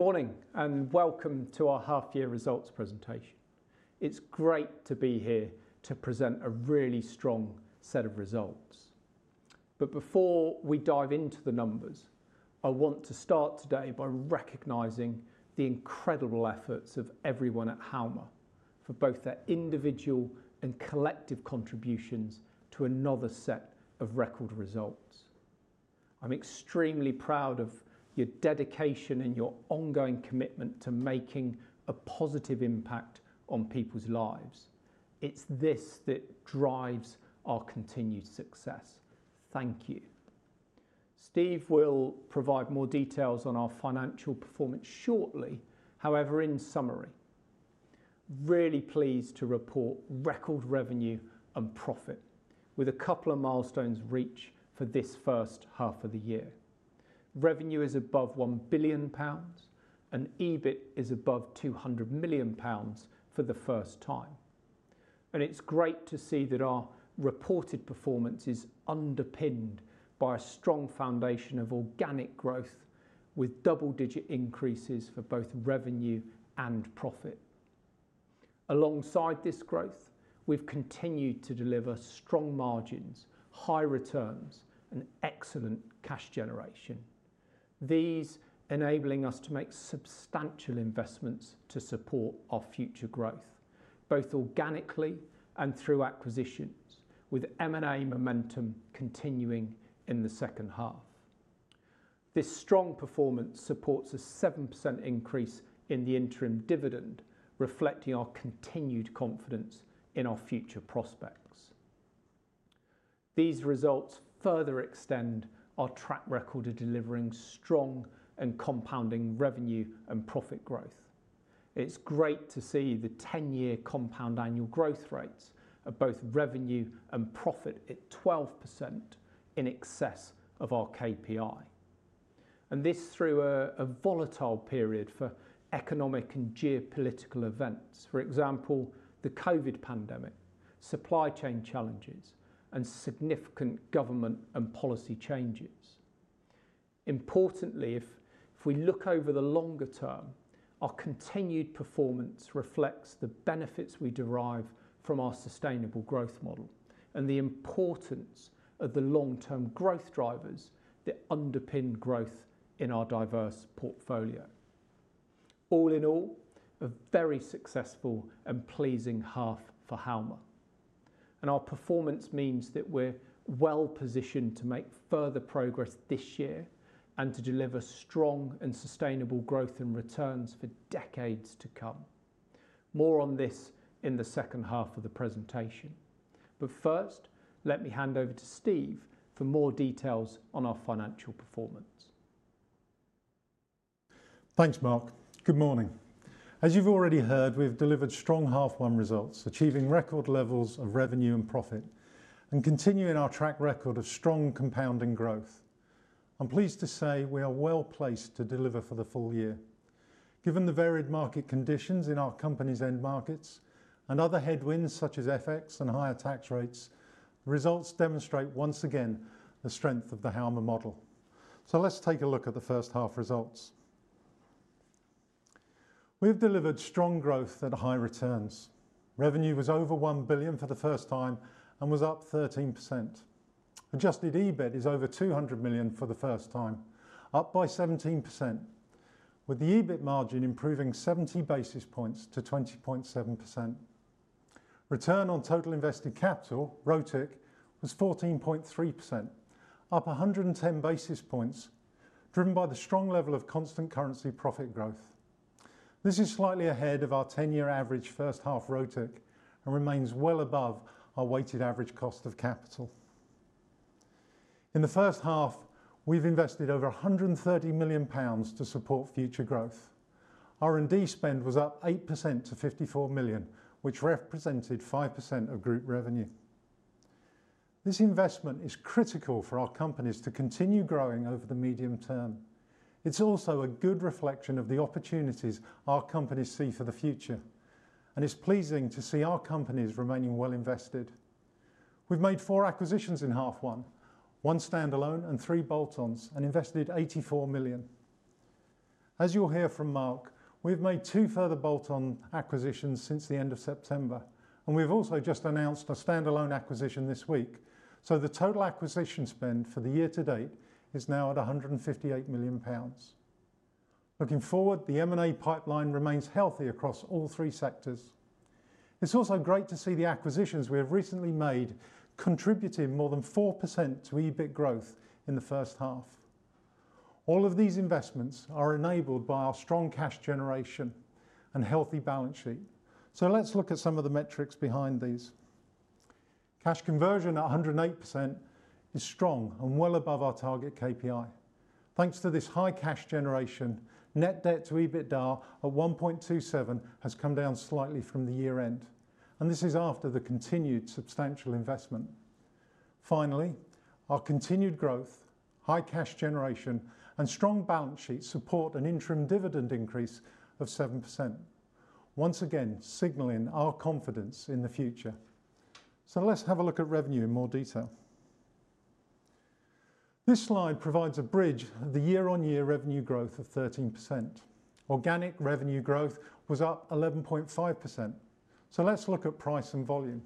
Morning, and welcome to our half-year results presentation. It's great to be here to present a really strong set of results. But before we dive into the numbers, I want to start today by recognizing the incredible efforts of everyone at Halma for both their individual and collective contributions to another set of record results. I'm extremely proud of your dedication and your ongoing commitment to making a positive impact on people's lives. It's this that drives our continued success. Thank you. Steve will provide more details on our financial performance shortly. However, in summary, I'm really pleased to report record revenue and profit, with a couple of milestones reached for this first half of the year. Revenue is above 1 billion pounds, and EBIT is above 200 million pounds for the first time. And it's great to see that our reported performance is underpinned by a strong foundation of organic growth, with double-digit increases for both revenue and profit. Alongside this growth, we've continued to deliver strong margins, high returns, and excellent cash generation, enabling us to make substantial investments to support our future growth, both organically and through acquisitions, with M&A momentum continuing in the second half. This strong performance supports a 7% increase in the interim dividend, reflecting our continued confidence in our future prospects. These results further extend our track record of delivering strong and compounding revenue and profit growth. It's great to see the 10-year compound annual growth rates of both revenue and profit at 12%, in excess of our KPI. And this through a volatile period for economic and geopolitical events, for example, the COVID pandemic, supply chain challenges, and significant government and policy changes. Importantly, if we look over the longer term, our continued performance reflects the benefits we derive from our sustainable growth model and the importance of the long-term growth drivers that underpin growth in our diverse portfolio. All in all, a very successful and pleasing half for Halma. And our performance means that we're well positioned to make further progress this year and to deliver strong and sustainable growth and returns for decades to come. More on this in the second half of the presentation. But first, let me hand over to Steve for more details on our financial performance. Thanks, Marc. Good morning. As you've already heard, we've delivered strong half-one results, achieving record levels of revenue and profit, and continuing our track record of strong compounding growth. I'm pleased to say we are well placed to deliver for the full year. Given the varied market conditions in our company's end markets and other headwinds such as FX and higher tax rates, the results demonstrate once again the strength of the Halma model. So let's take a look at the first half results. We've delivered strong growth and high returns. Revenue was over 1 billion for the first time and was up 13%. Adjusted EBIT is over 200 million for the first time, up by 17%, with the EBIT margin improving 70 basis points to 20.7%. Return on total invested capital, ROTIC, was 14.3%, up 110 basis points, driven by the strong level of constant currency profit growth. This is slightly ahead of our 10-year average first half ROTIC and remains well above our weighted average cost of capital. In the first half, we've invested over 130 million pounds to support future growth. R&D spend was up 8% to 54 million, which represented 5% of group revenue. This investment is critical for our companies to continue growing over the medium term. It's also a good reflection of the opportunities our companies see for the future, and it's pleasing to see our companies remaining well invested. We've made four acquisitions in half one, one standalone and three bolt-ons, and invested 84 million. As you'll hear from Marc, we've made two further bolt-on acquisitions since the end of September, and we've also just announced a standalone acquisition this week. So the total acquisition spend for the year to date is now at 158 million pounds. Looking forward, the M&A pipeline remains healthy across all three sectors. It's also great to see the acquisitions we have recently made contributing more than 4% to EBIT growth in the first half. All of these investments are enabled by our strong cash generation and healthy balance sheet. So let's look at some of the metrics behind these. Cash conversion at 108% is strong and well above our target KPI. Thanks to this high cash generation, net debt to EBITDA at 1.27 has come down slightly from the year-end, and this is after the continued substantial investment. Finally, our continued growth, high cash generation, and strong balance sheet support an interim dividend increase of 7%, once again signaling our confidence in the future. So let's have a look at revenue in more detail. This slide provides a bridge to the year-on-year revenue growth of 13%. Organic revenue growth was up 11.5%. So let's look at price and volume.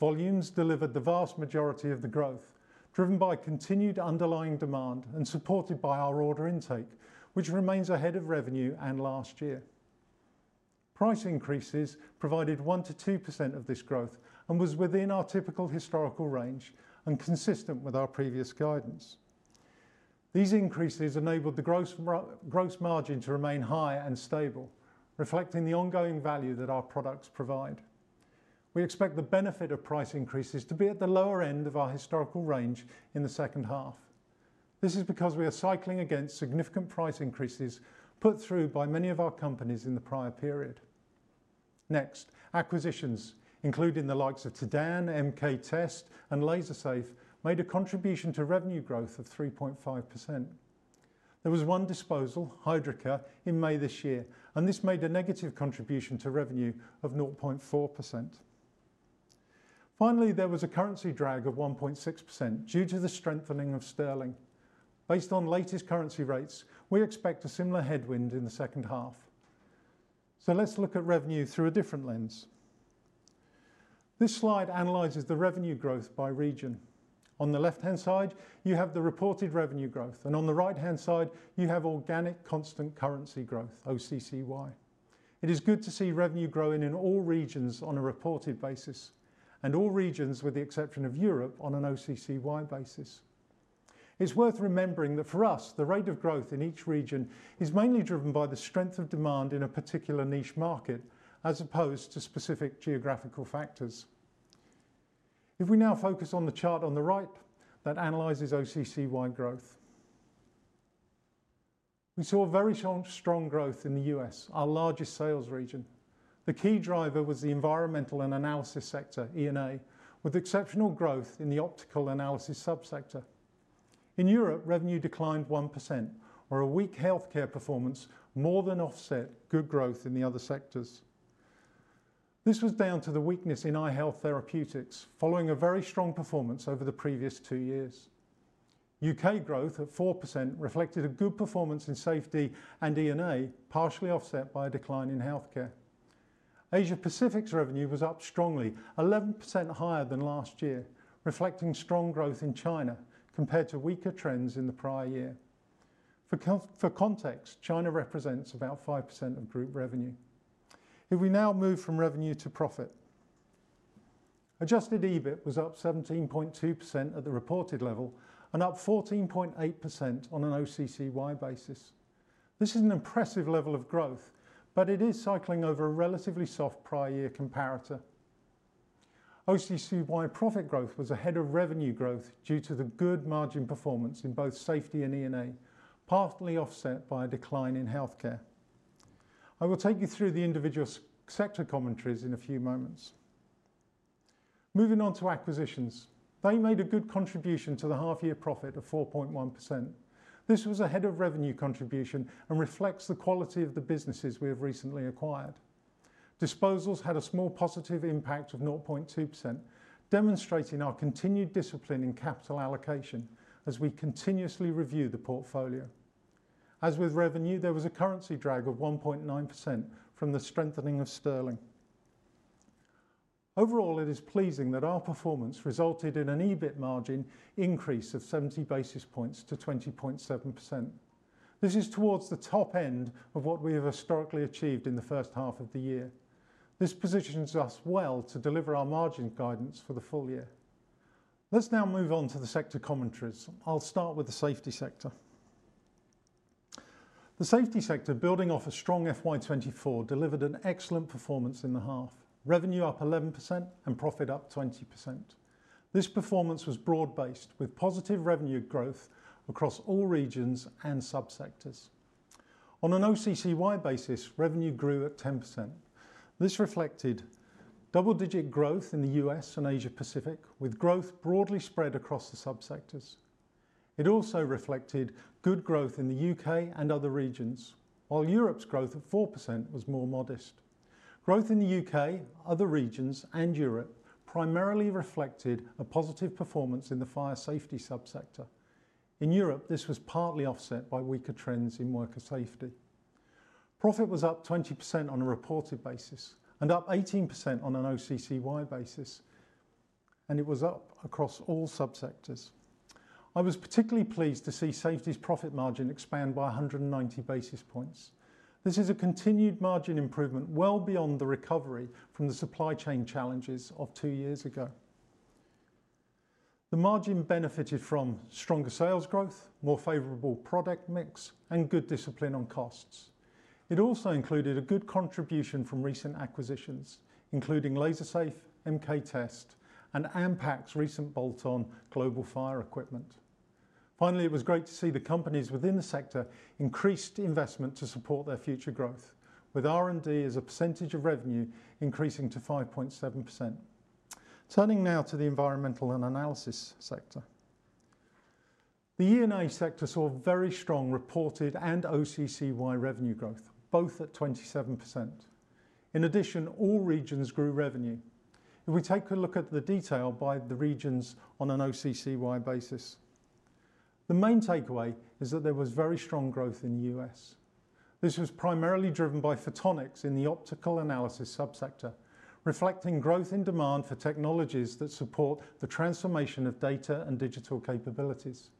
Volumes delivered the vast majority of the growth, driven by continued underlying demand and supported by our order intake, which remains ahead of revenue and last year. Price increases provided 1%-2% of this growth and was within our typical historical range and consistent with our previous guidance. These increases enabled the gross margin to remain high and stable, reflecting the ongoing value that our products provide. We expect the benefit of price increases to be at the lower end of our historical range in the second half. This is because we are cycling against significant price increases put through by many of our companies in the prior period. Next, acquisitions, including the likes of TeDan, MK Test, and Lazer Safe, made a contribution to revenue growth of 3.5%. There was one disposal, Hydreka, in May this year, and this made a negative contribution to revenue of 0.4%. Finally, there was a currency drag of 1.6% due to the strengthening of sterling. Based on latest currency rates, we expect a similar headwind in the second half. So let's look at revenue through a different lens. This slide analyzes the revenue growth by region. On the left-hand side, you have the reported revenue growth, and on the right-hand side, you have organic constant currency growth, OCCY. It is good to see revenue growing in all regions on a reported basis, and all regions with the exception of Europe on an OCCY basis. It's worth remembering that for us, the rate of growth in each region is mainly driven by the strength of demand in a particular niche market, as opposed to specific geographical factors. If we now focus on the chart on the right that analyzes OCCY growth, we saw very strong growth in the U.S., our largest sales region. The key driver was the environmental and analysis sector, E&A, with exceptional growth in the optical analysis subsector. In Europe, revenue declined 1%, where a weak Healthcare performance more than offset good growth in the other sectors. This was down to the weakness in Eye Health therapeutics, following a very strong performance over the previous two years. U.K. growth at 4% reflected a good performance in Safety and E&A, partially offset by a decline in Healthcare. Asia-Pacific's revenue was up strongly, 11% higher than last year, reflecting strong growth in China compared to weaker trends in the prior year. For context, China represents about 5% of group revenue. If we now move from revenue to profit, adjusted EBIT was up 17.2% at the reported level and up 14.8% on an OCCY basis. This is an impressive level of growth, but it is cycling over a relatively soft prior-year comparator. OCCY profit growth was ahead of revenue growth due to the good margin performance in both Safety and E&A, partly offset by a decline in Healthcare. I will take you through the individual sector commentaries in a few moments. Moving on to acquisitions, they made a good contribution to the half-year profit of 4.1%. This was ahead of revenue contribution and reflects the quality of the businesses we have recently acquired. Disposals had a small positive impact of 0.2%, demonstrating our continued discipline in capital allocation as we continuously review the portfolio. As with revenue, there was a currency drag of 1.9% from the strengthening of sterling. Overall, it is pleasing that our performance resulted in an EBIT margin increase of 70 basis points to 20.7%. This is towards the top end of what we have historically achieved in the first half of the year. This positions us well to deliver our margin guidance for the full year. Let's now move on to the sector commentaries. I'll start with the Safety sector. The Safety sector, building off a strong FY 2024, delivered an excellent performance in the half, revenue up 11% and profit up 20%. This performance was broad-based, with positive revenue growth across all regions and subsectors. On an OCCY basis, revenue grew at 10%. This reflected double-digit growth in the U.S. and Asia-Pacific, with growth broadly spread across the subsectors. It also reflected good growth in the U.K. and other regions, while Europe's growth of 4% was more modest. Growth in the U.K., other regions, and Europe primarily reflected a positive performance in the fire safety subsector. In Europe, this was partly offset by weaker trends in worker safety. Profit was up 20% on a reported basis and up 18% on an OCCY basis, and it was up across all subsectors. I was particularly pleased to see Safety's profit margin expand by 190 basis points. This is a continued margin improvement well beyond the recovery from the supply chain challenges of two years ago. The margin benefited from stronger sales growth, more favorable product mix, and good discipline on costs. It also included a good contribution from recent acquisitions, including Lazer Safe, MK Test, and Ampac's recent bolt-on Global Fire Equipment. Finally, it was great to see the companies within the sector increased investment to support their future growth, with R&D as a percentage of revenue increasing to 5.7%. Turning now to the environmental and analysis sector, the E&A sector saw very strong reported and OCCY revenue growth, both at 27%. In addition, all regions grew revenue. If we take a look at the detail by the regions on an OCCY basis, the main takeaway is that there was very strong growth in the U.S. This was primarily driven by Photonics in the optical analysis subsector, reflecting growth in demand for technologies that support the transformation of data and digital capabilities.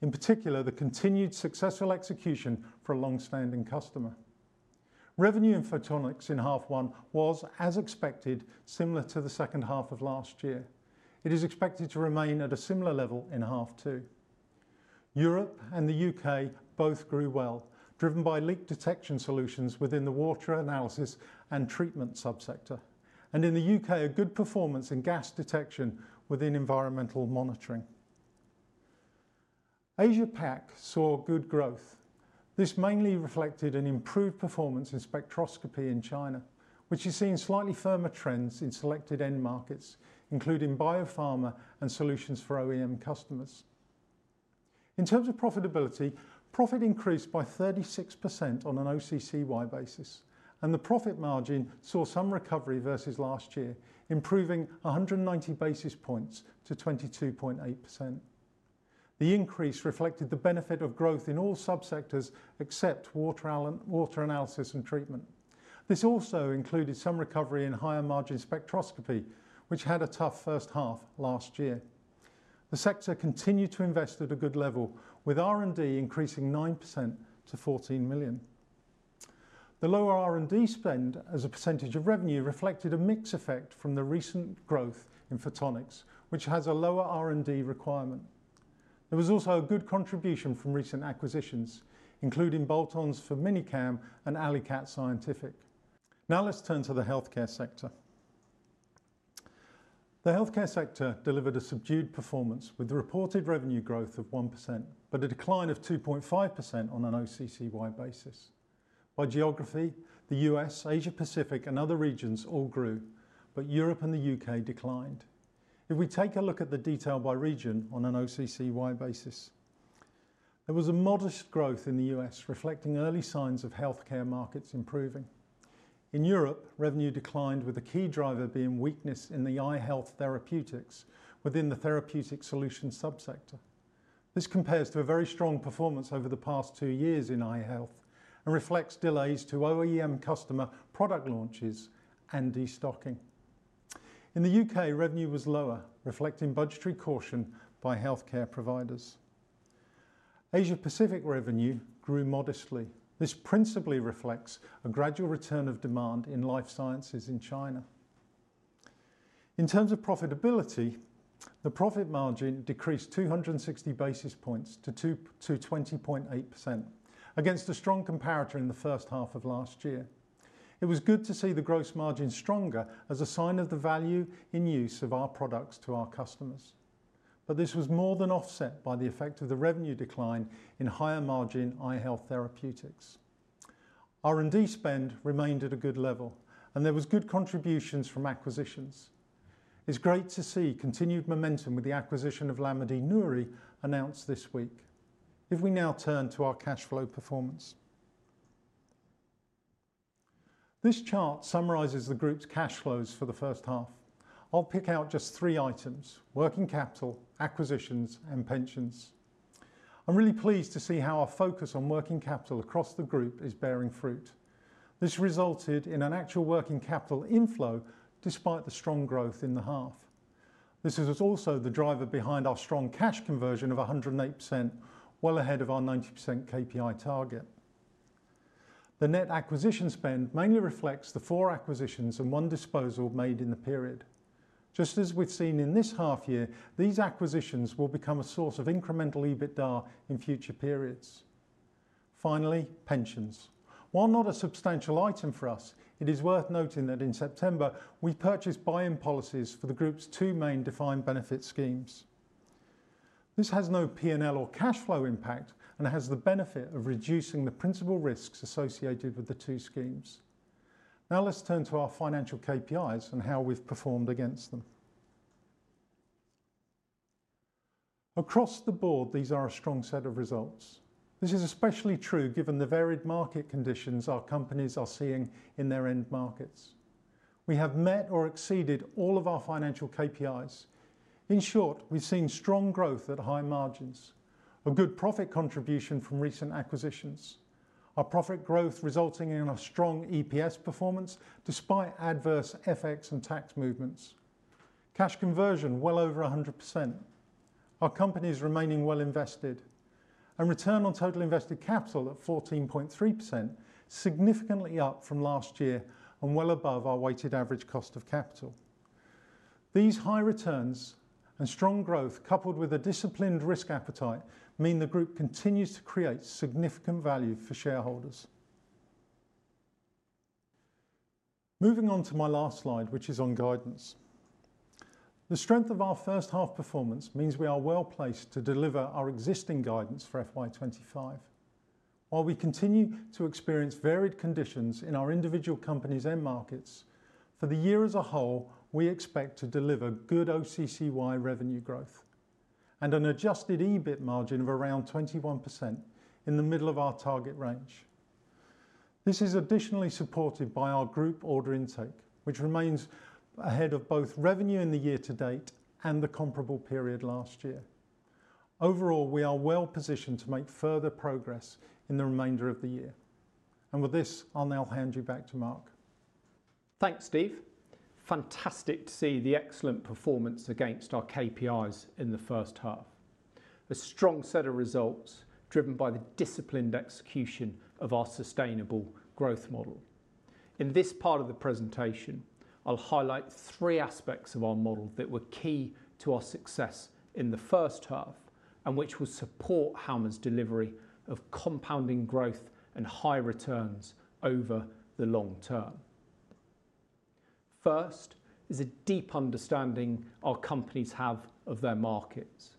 In particular, the continued successful execution for a long-standing customer. Revenue in Photonics in half one was, as expected, similar to the second half of last year. It is expected to remain at a similar level in half two. Europe and the U.K. both grew well, driven by leak detection solutions within the water analysis and treatment subsector, and in the U.K., a good performance in gas detection within environmental monitoring. Asia-Pac saw good growth. This mainly reflected an improved performance in spectroscopy in China, which has seen slightly firmer trends in selected end markets, including biopharma and solutions for OEM customers. In terms of profitability, profit increased by 36% on an OCCY basis, and the profit margin saw some recovery versus last year, improving 190 basis points to 22.8%. The increase reflected the benefit of growth in all subsectors except water analysis and treatment. This also included some recovery in higher margin spectroscopy, which had a tough first half last year. The sector continued to invest at a good level, with R&D increasing 9% to 14 million. The lower R&D spend as a percentage of revenue reflected a mixed effect from the recent growth in photonics, which has a lower R&D requirement. There was also a good contribution from recent acquisitions, including bolt-ons for Mini-Cam and Alicat Scientific. Now let's turn to the Healthcare sector. The Healthcare sector delivered a subdued performance with the reported revenue growth of 1%, but a decline of 2.5% on an OCCY basis. By geography, the U.S., Asia-Pacific, and other regions all grew, but Europe and the U.K. declined. If we take a look at the detail by region on an OCCY basis, there was a modest growth in the U.S., reflecting early signs of Healthcare markets improving. In Europe, revenue declined, with a key driver being weakness in the Eye Health therapeutics within the therapeutic solution subsector. This compares to a very strong performance over the past two years in Eye Health and reflects delays to OEM customer product launches and destocking. In the U.K., revenue was lower, reflecting budgetary caution by Healthcare providers. Asia-Pacific revenue grew modestly. This principally reflects a gradual return of demand in life sciences in China. In terms of profitability, the profit margin decreased 260 basis points to 20.8% against a strong comparator in the first half of last year. It was good to see the gross margin stronger as a sign of the value in use of our products to our customers. But this was more than offset by the effect of the revenue decline in higher margin Eye Health therapeutics. R&D spend remained at a good level, and there were good contributions from acquisitions. It's great to see continued momentum with the acquisition of Lamidey Noury announced this week. If we now turn to our cash flow performance, this chart summarizes the group's cash flows for the first half. I'll pick out just three items: working capital, acquisitions, and pensions. I'm really pleased to see how our focus on working capital across the group is bearing fruit. This resulted in an actual working capital inflow despite the strong growth in the half. This is also the driver behind our strong cash conversion of 108%, well ahead of our 90% KPI target. The net acquisition spend mainly reflects the four acquisitions and one disposal made in the period. Just as we've seen in this half year, these acquisitions will become a source of incremental EBITDA in future periods. Finally, pensions. While not a substantial item for us, it is worth noting that in September, we purchased buy-in policies for the group's two main defined benefit schemes. This has no P&L or cash flow impact and has the benefit of reducing the principal risks associated with the two schemes. Now let's turn to our financial KPIs and how we've performed against them. Across the board, these are a strong set of results. This is especially true given the varied market conditions our companies are seeing in their end markets. We have met or exceeded all of our financial KPIs. In short, we've seen strong growth at high margins, a good profit contribution from recent acquisitions, our profit growth resulting in a strong EPS performance despite adverse FX and tax movements, cash conversion well over 100%, our companies remaining well invested, and return on total invested capital at 14.3%, significantly up from last year and well above our weighted average cost of capital. These high returns and strong growth, coupled with a disciplined risk appetite, mean the group continues to create significant value for shareholders. Moving on to my last slide, which is on guidance. The strength of our first half performance means we are well placed to deliver our existing guidance for FY 2025. While we continue to experience varied conditions in our individual companies' end markets, for the year as a whole, we expect to deliver good OCCY revenue growth and an adjusted EBIT margin of around 21% in the middle of our target range. This is additionally supported by our group order intake, which remains ahead of both revenue in the year to date and the comparable period last year. Overall, we are well positioned to make further progress in the remainder of the year. And with this, I'll now hand you back to Marc. Thanks, Steve. Fantastic to see the excellent performance against our KPIs in the first half. A strong set of results driven by the disciplined execution of our sustainable growth model. In this part of the presentation, I'll highlight three aspects of our model that were key to our success in the first half and which will support Halma's delivery of compounding growth and high returns over the long term. First is a deep understanding our companies have of their markets.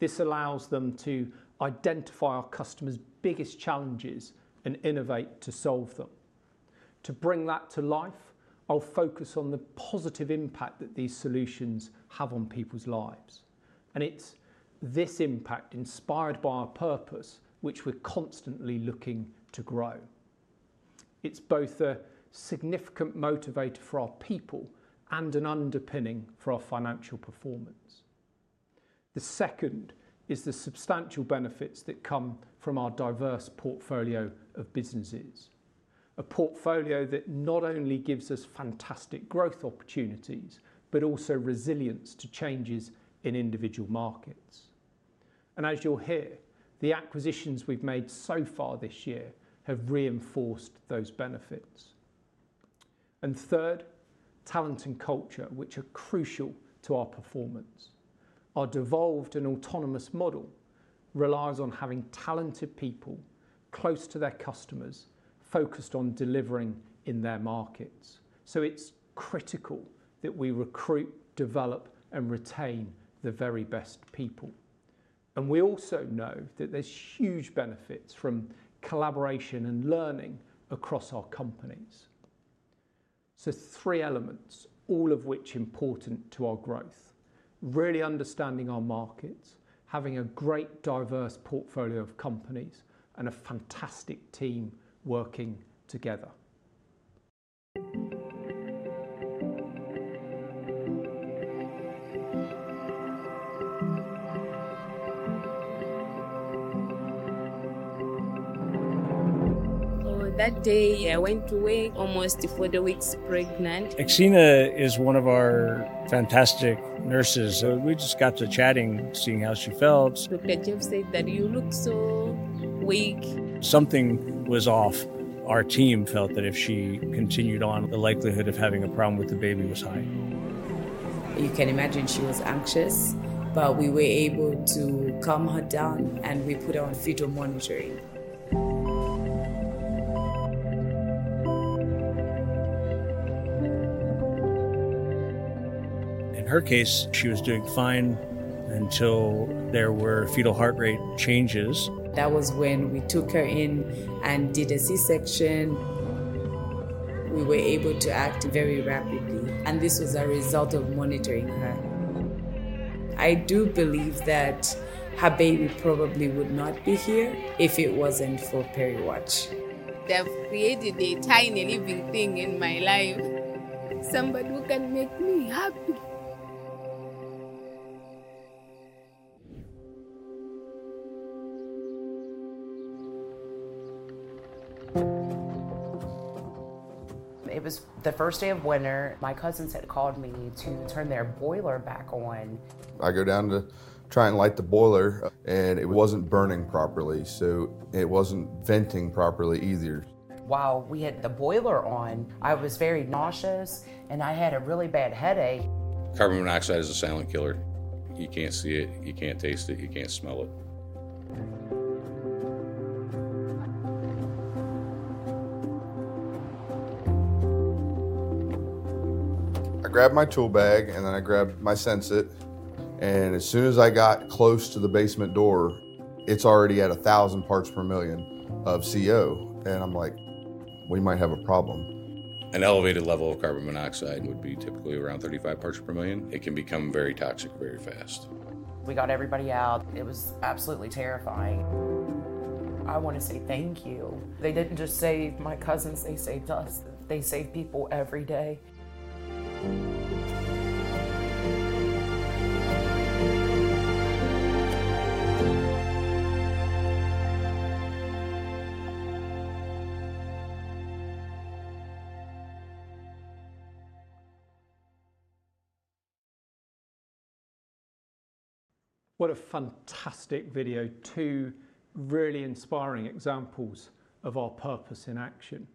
This allows them to identify our customers' biggest challenges and innovate to solve them. To bring that to life, I'll focus on the positive impact that these solutions have on people's lives, and it's this impact, inspired by our purpose, which we're constantly looking to grow. It's both a significant motivator for our people and an underpinning for our financial performance. The second is the substantial benefits that come from our diverse portfolio of businesses, a portfolio that not only gives us fantastic growth opportunities, but also resilience to changes in individual markets. And as you'll hear, the acquisitions we've made so far this year have reinforced those benefits. And third, talent and culture, which are crucial to our performance. Our devolved and autonomous model relies on having talented people close to their customers focused on delivering in their markets. So it's critical that we recruit, develop, and retain the very best people. And we also know that there's huge benefits from collaboration and learning across our companies. So three elements, all of which are important to our growth: really understanding our markets, having a great diverse portfolio of companies, and a fantastic team working together. On that day, I went to work almost four weeks pregnant. Akshina is one of our fantastic nurses. We just got to chatting, seeing how she felt. Doctor Jeff said that you look so weak. Something was off. Our team felt that if she continued on, the likelihood of having a problem with the baby was high. You can imagine she was anxious, but we were able to calm her down, and we put her on fetal monitoring. In her case, she was doing fine until there were fetal heart rate changes. That was when we took her in and did a C-section. We were able to act very rapidly, and this was a result of monitoring her. I do believe that her baby probably would not be here if it wasn't for PeriWatch. They've created a tiny living thing in my life. Somebody who can make me happy. It was the first day of winter. My cousins had called me to turn their boiler back on. I go down to try and light the boiler, and it wasn't burning properly. So it wasn't venting properly either. While we had the boiler on, I was very nauseous, and I had a really bad headache. Carbon monoxide is a silent killer. You can't see it. You can't taste it. You can't smell it. I grabbed my tool bag, and then I grabbed my Sensit, and as soon as I got close to the basement door, it's already at 1,000 parts per million of CO. And I'm like, we might have a problem. An elevated level of carbon monoxide would be typically around 35 parts per million. It can become very toxic very fast. We got everybody out. It was absolutely terrifying. I want to say thank you. They didn't just save my cousins. They saved us. They save people every day. What a fantastic video. Two really inspiring examples of our purpose in action.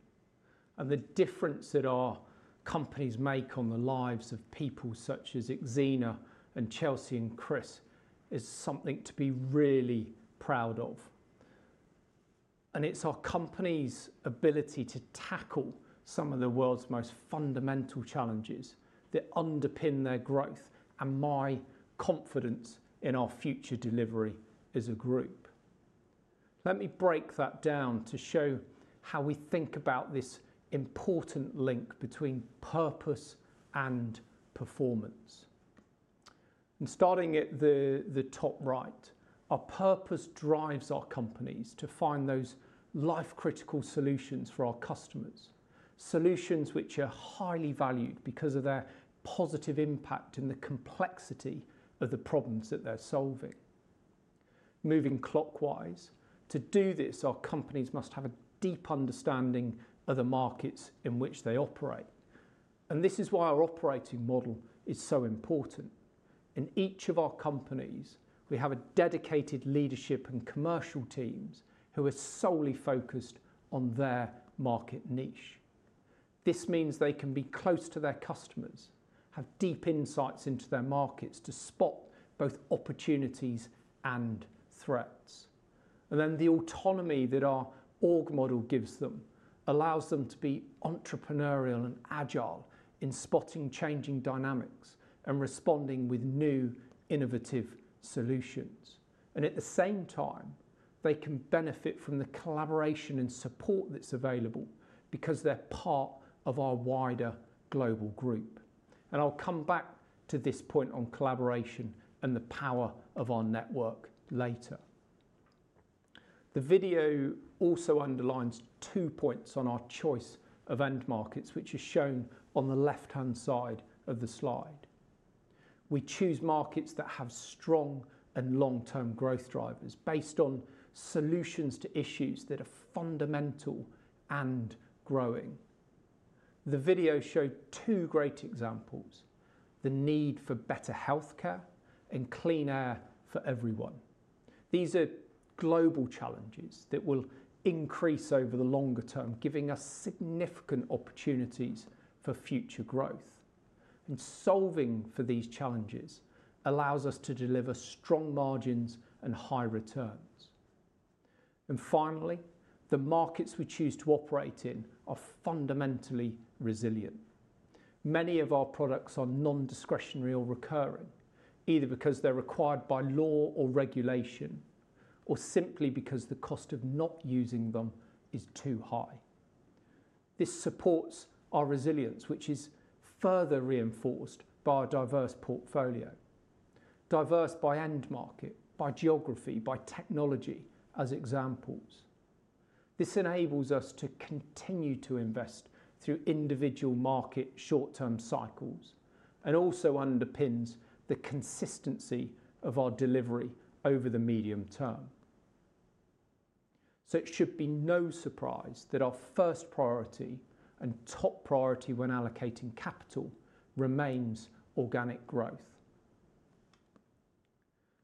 And the difference that our companies make on the lives of people such as Akshina and Chelsea and Chris is something to be really proud of. And it's our company's ability to tackle some of the world's most fundamental challenges that underpin their growth and my confidence in our future delivery as a group. Let me break that down to show how we think about this important link between purpose and performance. And starting at the top right, our purpose drives our companies to find those life-critical solutions for our customers, solutions which are highly valued because of their positive impact and the complexity of the problems that they're solving. Moving clockwise, to do this, our companies must have a deep understanding of the markets in which they operate. And this is why our operating model is so important. In each of our companies, we have a dedicated leadership and commercial teams who are solely focused on their market niche. This means they can be close to their customers, have deep insights into their markets to spot both opportunities and threats. And then the autonomy that our org model gives them allows them to be entrepreneurial and agile in spotting changing dynamics and responding with new innovative solutions. And at the same time, they can benefit from the collaboration and support that's available because they're part of our wider global group. And I'll come back to this point on collaboration and the power of our network later. The video also underlines two points on our choice of end markets, which is shown on the left-hand side of the slide. We choose markets that have strong and long-term growth drivers based on solutions to issues that are fundamental and growing. The video showed two great examples: the need for better Healthcare and clean air for everyone. These are global challenges that will increase over the longer term, giving us significant opportunities for future growth. And solving for these challenges allows us to deliver strong margins and high returns. And finally, the markets we choose to operate in are fundamentally resilient. Many of our products are non-discretionary or recurring, either because they're required by law or regulation, or simply because the cost of not using them is too high. This supports our resilience, which is further reinforced by our diverse portfolio, diverse by end market, by geography, by technology as examples. This enables us to continue to invest through individual market short-term cycles and also underpins the consistency of our delivery over the medium term. So it should be no surprise that our first priority and top priority when allocating capital remains organic growth.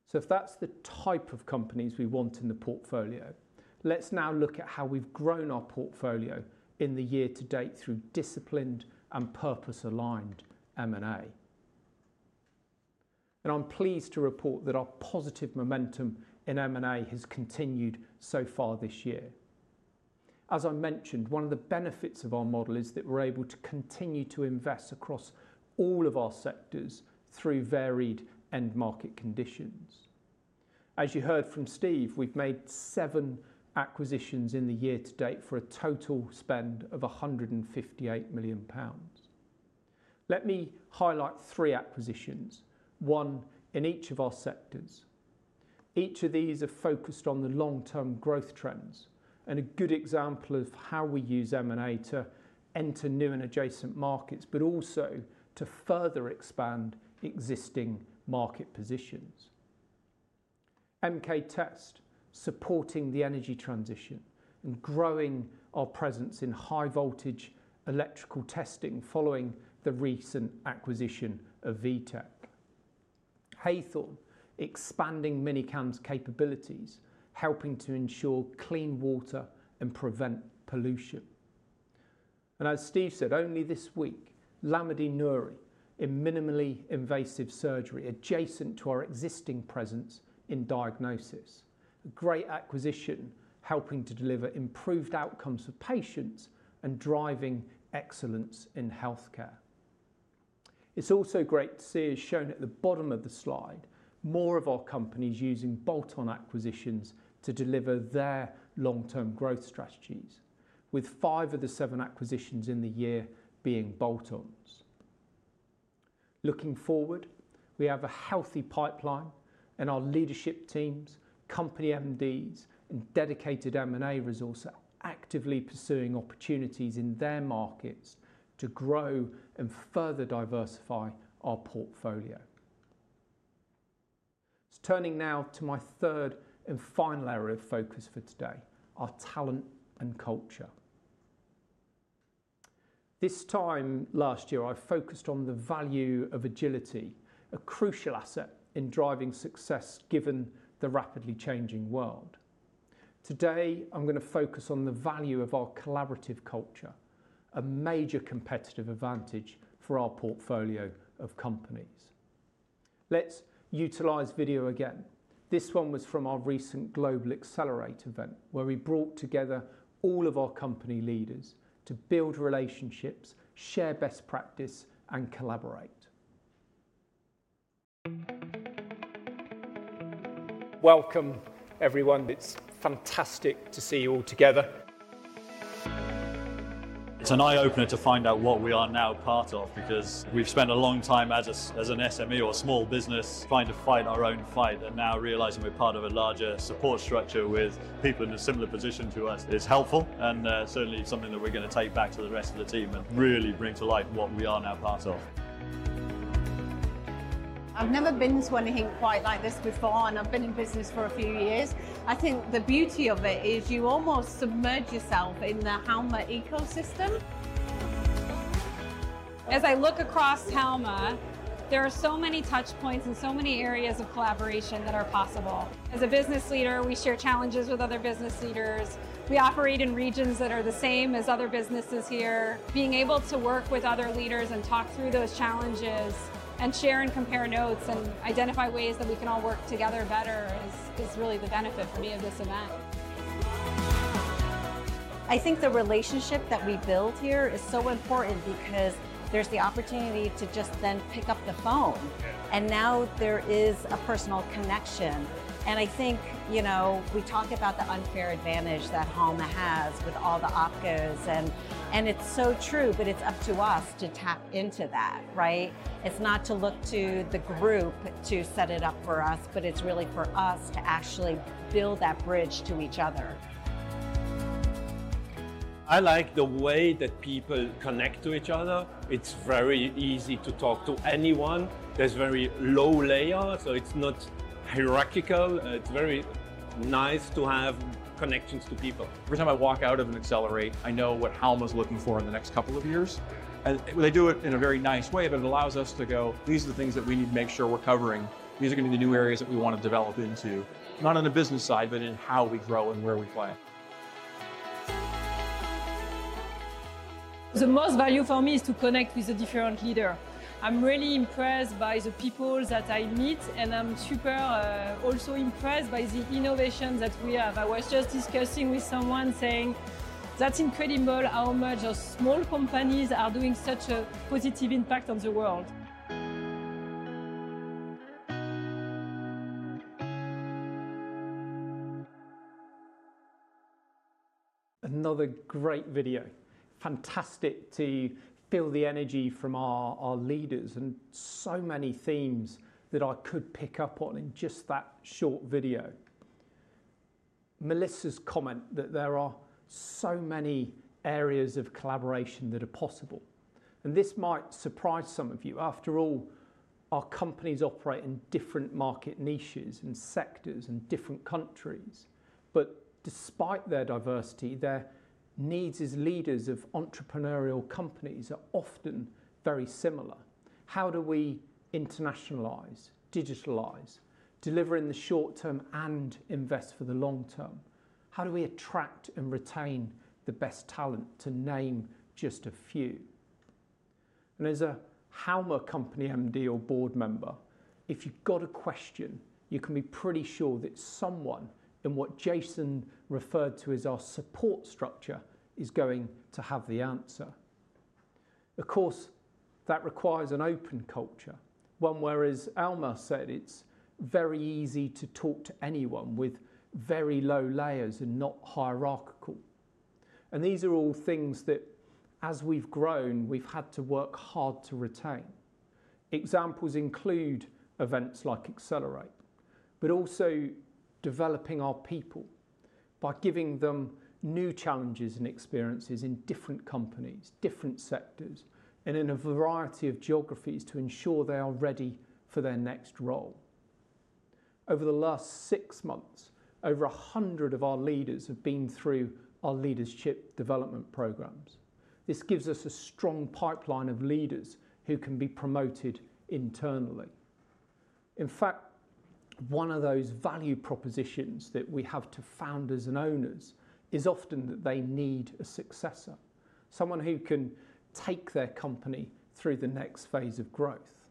So if that's the type of companies we want in the portfolio, let's now look at how we've grown our portfolio in the year to date through disciplined and purpose-aligned M&A. And I'm pleased to report that our positive momentum in M&A has continued so far this year. As I mentioned, one of the benefits of our model is that we're able to continue to invest across all of our sectors through varied end market conditions. As you heard from Steve, we've made seven acquisitions in the year to date for a total spend of 158 million pounds. Let me highlight three acquisitions, one in each of our sectors. Each of these is focused on the long-term growth trends and a good example of how we use M&A to enter new and adjacent markets, but also to further expand existing market positions. MK Test supporting the energy transition and growing our presence in high-voltage electrical testing following the recent acquisition of WEETECH. Hitzel expanding Mini-Cam's capabilities, helping to ensure clean water and prevent pollution. And as Steve said, only this week, Lamidey Noury in minimally invasive surgery adjacent to our existing presence in diagnosis. A great acquisition helping to deliver improved outcomes for patients and driving excellence in Healthcare. It's also great to see, as shown at the bottom of the slide, more of our companies using bolt-on acquisitions to deliver their long-term growth strategies, with five of the seven acquisitions in the year being bolt-ons. Looking forward, we have a healthy pipeline, and our leadership teams, company MDs, and dedicated M&A resources are actively pursuing opportunities in their markets to grow and further diversify our portfolio. Turning now to my third and final area of focus for today, our talent and culture. This time last year, I focused on the value of agility, a crucial asset in driving success given the rapidly changing world. Today, I'm going to focus on the value of our collaborative culture, a major competitive advantage for our portfolio of companies. Let's utilize video again. This one was from our recent Global Accelerate event, where we brought together all of our company leaders to build relationships, share best practices, and collaborate. Welcome, everyone. It's fantastic to see you all together. It's an eye-opener to find out what we are now part of because we've spent a long time as an SME or a small business trying to fight our own fight, and now realizing we're part of a larger support structure with people in a similar position to us is helpful and certainly something that we're going to take back to the rest of the team and really bring to light what we are now part of. I've never been to anything quite like this before, and I've been in business for a few years. I think the beauty of it is you almost submerge yourself in the Halma ecosystem. As I look across Halma, there are so many touchpoints and so many areas of collaboration that are possible. As a business leader, we share challenges with other business leaders. We operate in regions that are the same as other businesses here. Being able to work with other leaders and talk through those challenges and share and compare notes and identify ways that we can all work together better is really the benefit for me of this event. I think the relationship that we build here is so important because there's the opportunity to just then pick up the phone. And now there is a personal connection. And I think, you know, we talk about the unfair advantage that Halma has with all the opcos. And it's so true, but it's up to us to tap into that, right? It's not to look to the group to set it up for us, but it's really for us to actually build that bridge to each other. I like the way that people connect to each other. It's very easy to talk to anyone. There's very low hierarchy, so it's not hierarchical. It's very nice to have connections to people. Every time I walk out of an Accelerate, I know what Halma is looking for in the next couple of years. And they do it in a very nice way, but it allows us to go, these are the things that we need to make sure we're covering. These are going to be the new areas that we want to develop into, not on the business side, but in how we grow and where we play. The most value for me is to connect with the different leaders. I'm really impressed by the people that I meet, and I'm super also impressed by the innovations that we have. I was just discussing with someone saying, that's incredible how much small companies are doing such a positive impact on the world. Another great video. Fantastic to feel the energy from our leaders and so many themes that I could pick up on in just that short video. Melissa's comment that there are so many areas of collaboration that are possible, and this might surprise some of you. After all, our companies operate in different market niches and sectors and different countries, but despite their diversity, their needs as leaders of entrepreneurial companies are often very similar. How do we internationalize, digitalize, deliver in the short term and invest for the long term? How do we attract and retain the best talent to name just a few? As a Halma company MD or board member, if you've got a question, you can be pretty sure that someone in what Jason referred to as our support structure is going to have the answer. Of course, that requires an open culture, one where, as Alma said, it's very easy to talk to anyone with very low layers and not hierarchical. These are all things that, as we've grown, we've had to work hard to retain. Examples include events like Accelerate, but also developing our people by giving them new challenges and experiences in different companies, different sectors, and in a variety of geographies to ensure they are ready for their next role. Over the last six months, over a hundred of our leaders have been through our leadership development programs. This gives us a strong pipeline of leaders who can be promoted internally. In fact, one of those value propositions that we have to founders and owners is often that they need a successor, someone who can take their company through the next phase of growth.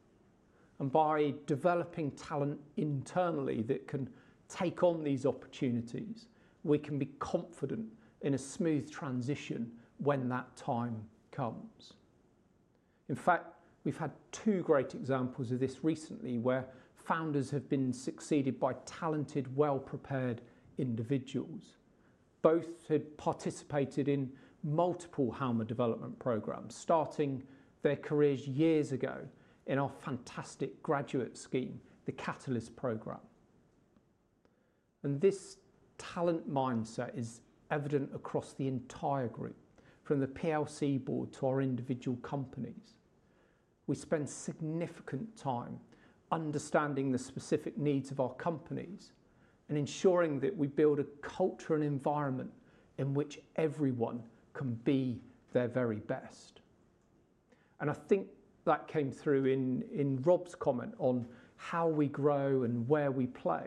And by developing talent internally that can take on these opportunities, we can be confident in a smooth transition when that time comes. In fact, we've had two great examples of this recently where founders have been succeeded by talented, well-prepared individuals. Both had participated in multiple Halma development programs, starting their careers years ago in our fantastic graduate scheme, the Catalyst program. And this talent mindset is evident across the entire group, from the PLC board to our individual companies. We spend significant time understanding the specific needs of our companies and ensuring that we build a culture and environment in which everyone can be their very best. And I think that came through in Rob's comment on how we grow and where we play,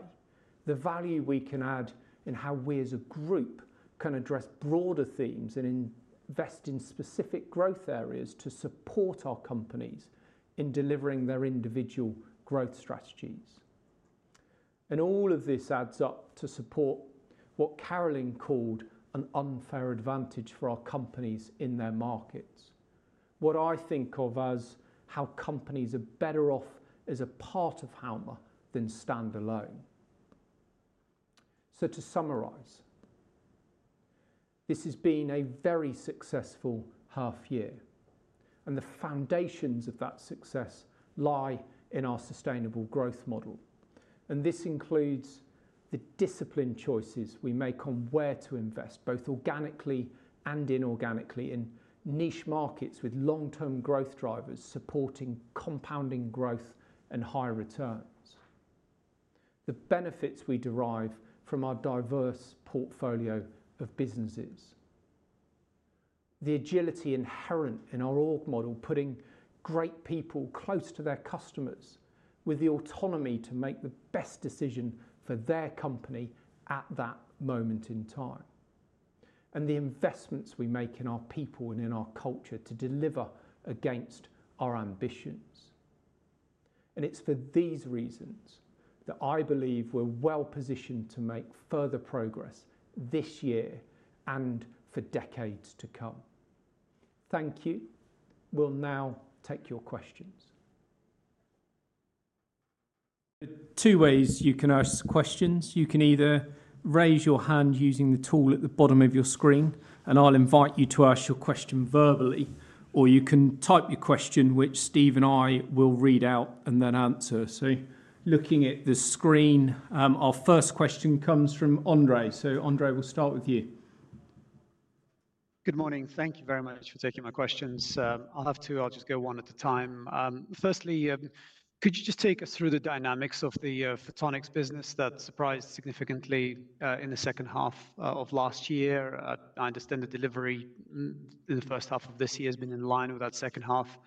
the value we can add in how we as a group can address broader themes and invest in specific growth areas to support our companies in delivering their individual growth strategies. And all of this adds up to support what Caroline called an unfair advantage for our companies in their markets, what I think of as how companies are better off as a part of Halma than stand alone. So to summarize, this has been a very successful half year. And the foundations of that success lie in our sustainable growth model. And this includes the disciplined choices we make on where to invest, both organically and inorganically, in niche markets with long-term growth drivers supporting compounding growth and high returns, the benefits we derive from our diverse portfolio of businesses, the agility inherent in our org model putting great people close to their customers with the autonomy to make the best decision for their company at that moment in time, and the investments we make in our people and in our culture to deliver against our ambitions. And it's for these reasons that I believe we're well positioned to make further progress this year and for decades to come. Thank you. We'll now take your questions. Two ways you can ask questions. You can either raise your hand using the tool at the bottom of your screen, and I'll invite you to ask your question verbally, or you can type your question, which Steve and I will read out and then answer. So looking at the screen, our first question comes from Andrei. So Andrei, we'll start with you. Good morning. Thank you very much for taking my questions. I'll have two. I'll just go one at a time. Firstly, could you just take us through the dynamics of the photonics business that surprised significantly in the second half of last year? I understand the delivery in the first half of this year has been in line with that second half.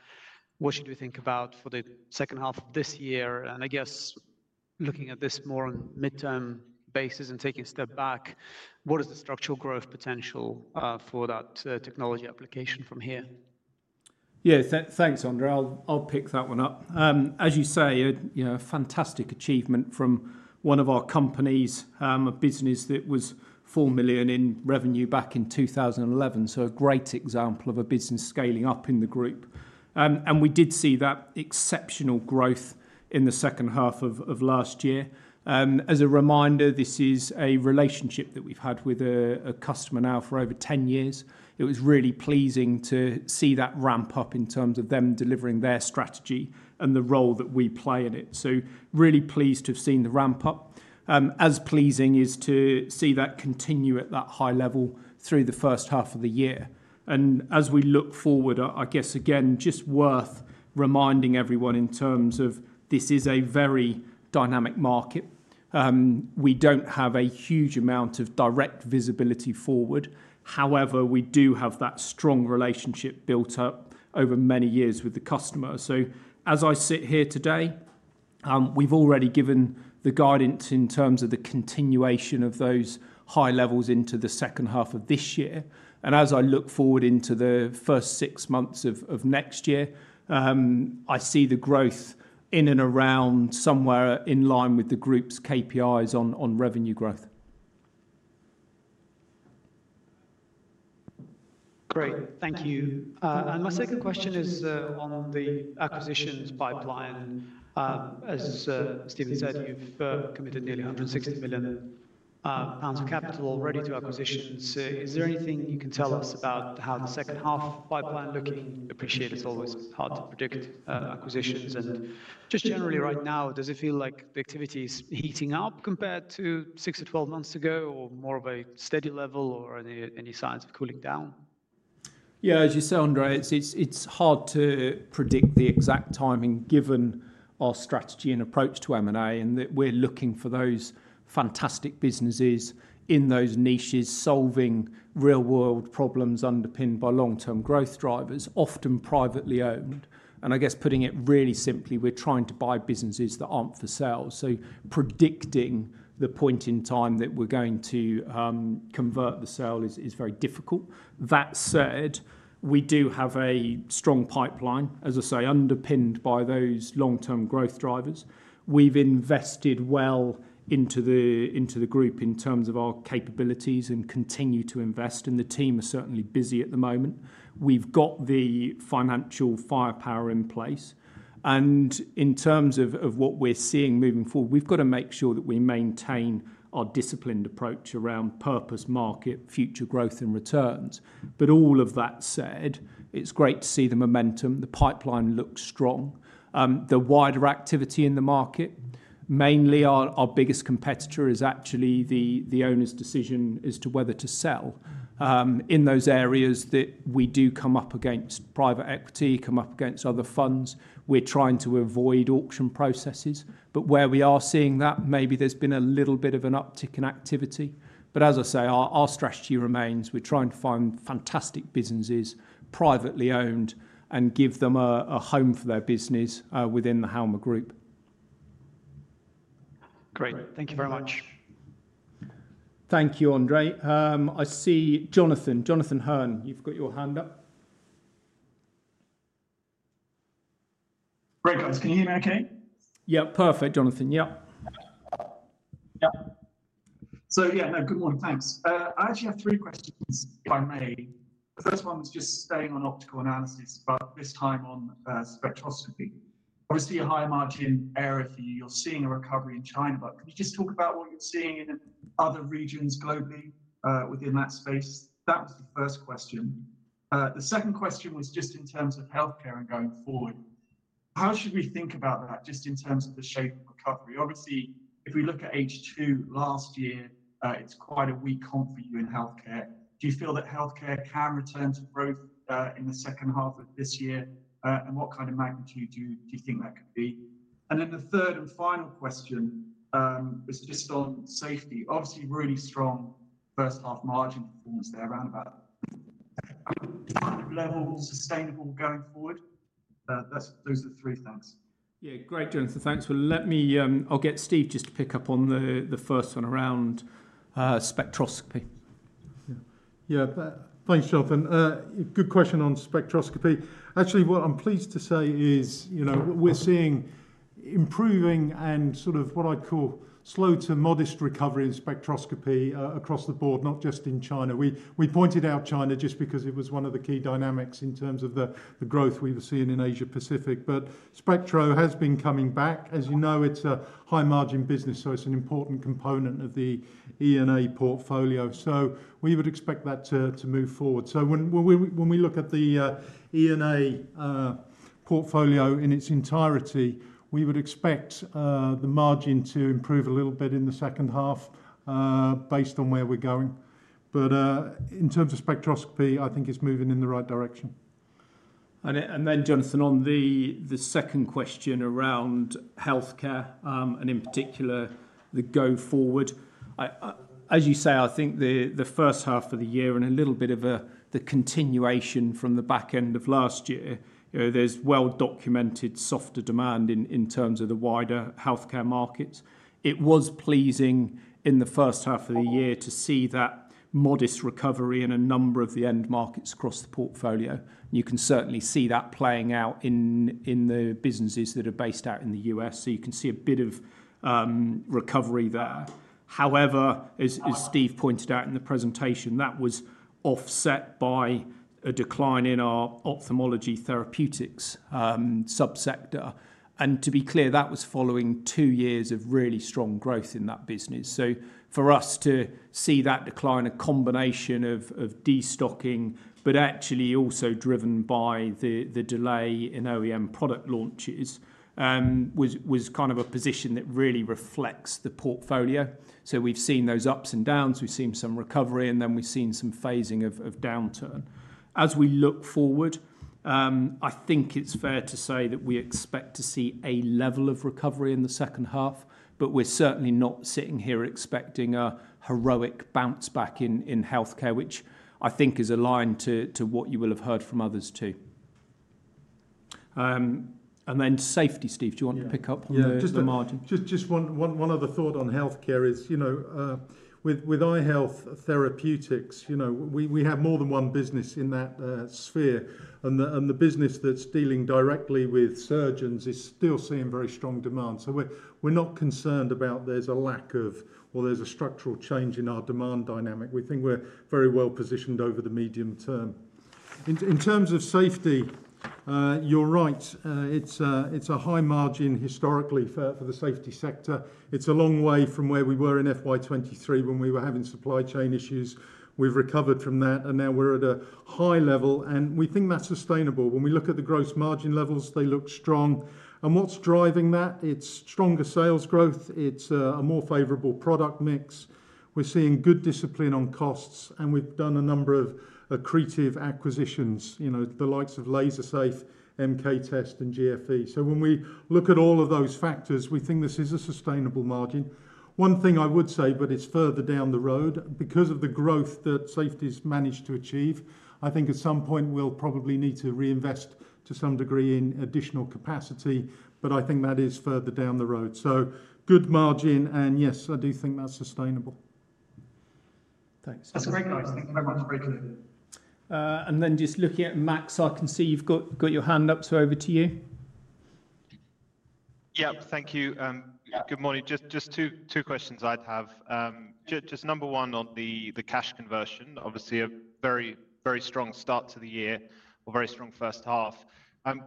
What should we think about for the second half of this year? And I guess looking at this more on midterm basis and taking a step back, what is the structural growth potential for that technology application from here? Yeah, thanks, Andrei. I'll pick that one up. As you say, a fantastic achievement from one of our companies, a business that was 4 million in revenue back in 2011. So a great example of a business scaling up in the group. And we did see that exceptional growth in the second half of last year. As a reminder, this is a relationship that we've had with a customer now for over 10 years. It was really pleasing to see that ramp up in terms of them delivering their strategy and the role that we play in it. So really pleased to have seen the ramp up. As pleasing is to see that continue at that high level through the first half of the year. And as we look forward, I guess, again, just worth reminding everyone in terms of this is a very dynamic market. We don't have a huge amount of direct visibility forward. However, we do have that strong relationship built up over many years with the customer. So as I sit here today, we've already given the guidance in terms of the continuation of those high levels into the second half of this year. And as I look forward into the first six months of next year, I see the growth in and around somewhere in line with the group's KPIs on revenue growth. Great. Thank you. And my second question is on the acquisitions pipeline. As Steven said, you've committed nearly 160 million pounds of capital already to acquisitions. Is there anything you can tell us about how the second half pipeline looking? Appreciate it's always hard to predict acquisitions. And just generally right now, does it feel like the activity is heating up compared to six to 12 months ago or more of a steady level or any signs of cooling down? Yeah, as you say, Andrei, it's hard to predict the exact timing given our strategy and approach to M&A and that we're looking for those fantastic businesses in those niches solving real-world problems underpinned by long-term growth drivers, often privately owned. I guess putting it really simply, we're trying to buy businesses that aren't for sale. So predicting the point in time that we're going to convert the sale is very difficult. That said, we do have a strong pipeline, as I say, underpinned by those long-term growth drivers. We've invested well into the group in terms of our capabilities and continue to invest. And the team is certainly busy at the moment. We've got the financial firepower in place. And in terms of what we're seeing moving forward, we've got to make sure that we maintain our disciplined approach around purpose, market, future growth, and returns. But all of that said, it's great to see the momentum. The pipeline looks strong. The wider activity in the market, mainly our biggest competitor is actually the owner's decision as to whether to sell. In those areas that we do come up against private equity, come up against other funds, we're trying to avoid auction processes. But where we are seeing that, maybe there's been a little bit of an uptick in activity. But as I say, our strategy remains. We're trying to find fantastic businesses, privately owned, and give them a home for their business within the Halma group. Great. Thank you very much. Thank you, Andrei. I see Jonathan, Jonathan Hurn, you've got your hand up. Great, guys. Can you hear me okay? Yep, perfect, Jonathan. Yep. Yep. So yeah, no, good morning. Thanks. I actually have three questions, if I may. The first one was just staying on optical analysis, but this time on spectroscopy. Obviously, a high margin area for you. You're seeing a recovery in China, but can you just talk about what you're seeing in other regions globally within that space? That was the first question. The second question was just in terms of Healthcare and going forward. How should we think about that just in terms of the shape of recovery? Obviously, if we look at H2 last year, it's quite a weak comp for you in Healthcare. Do you feel that Healthcare can return to growth in the second half of this year? And what kind of magnitude do you think that could be? And then the third and final question was just on safety. Obviously, really strong first half margin performance there, roundabout level, sustainable going forward. Those are the three things. Yeah, great, Jonathan. Thanks. Well, let me get Steve just to pick up on the first one around spectroscopy. Yeah, thanks, Jonathan. Good question on spectroscopy. Actually, what I'm pleased to say is we're seeing improving and sort of what I call slow to modest recovery in spectroscopy across the board, not just in China. We pointed out China just because it was one of the key dynamics in terms of the growth we were seeing in Asia-Pacific. But Spectro has been coming back. As you know, it's a high-margin business, so it's an important component of the E&A portfolio. So we would expect that to move forward. So when we look at the E&A portfolio in its entirety, we would expect the margin to improve a little bit in the second half based on where we're going. But in terms of spectroscopy, I think it's moving in the right direction. And then, Jonathan, on the second question around Healthcare and in particular the go forward, as you say, I think the first half of the year and a little bit of the continuation from the back end of last year, there's well-documented softer demand in terms of the wider Healthcare markets. It was pleasing in the first half of the year to see that modest recovery in a number of the end markets across the portfolio. You can certainly see that playing out in the businesses that are based out in the U.S. So you can see a bit of recovery there. However, as Steve pointed out in the presentation, that was offset by a decline in our ophthalmology therapeutics subsector. And to be clear, that was following two years of really strong growth in that business. So for us to see that decline, a combination of destocking, but actually also driven by the delay in OEM product launches, was kind of a position that really reflects the portfolio. So we've seen those ups and downs. We've seen some recovery, and then we've seen some phasing of downturn. As we look forward, I think it's fair to say that we expect to see a level of recovery in the second half, but we're certainly not sitting here expecting a heroic bounce back in Healthcare, which I think is aligned to what you will have heard from others too, and then Safety, Steve. Do you want to pick up on the margin? Just one other thought on Healthcare is with iHealth Therapeutics, we have more than one business in that sphere, and the business that's dealing directly with surgeons is still seeing very strong demand. So we're not concerned about there's a lack of or there's a structural change in our demand dynamic. We think we're very well positioned over the medium term. In terms of Safety, you're right. It's a high margin historically for the Safety sector. It's a long way from where we were in FY 2023 when we were having supply chain issues. We've recovered from that, and now we're at a high level, and we think that's sustainable. When we look at the gross margin levels, they look strong, and what's driving that? It's stronger sales growth. It's a more favorable product mix. We're seeing good discipline on costs, and we've done a number of accretive acquisitions, the likes of Lazer Safe, MK Test, and GFE. So when we look at all of those factors, we think this is a sustainable margin. One thing I would say, but it's further down the road, because of the growth that Safety has managed to achieve, I think at some point we'll probably need to reinvest to some degree in additional capacity, but I think that is further down the road. So good margin, and yes, I do think that's sustainable. Thanks. That's great, guys. Thank you very much. And then just looking at Max, I can see you've got your hand up, so over to you. Yep, thank you. Good morning. Just two questions I'd have. Just number one on the cash conversion, obviously a very strong start to the year, a very strong first half.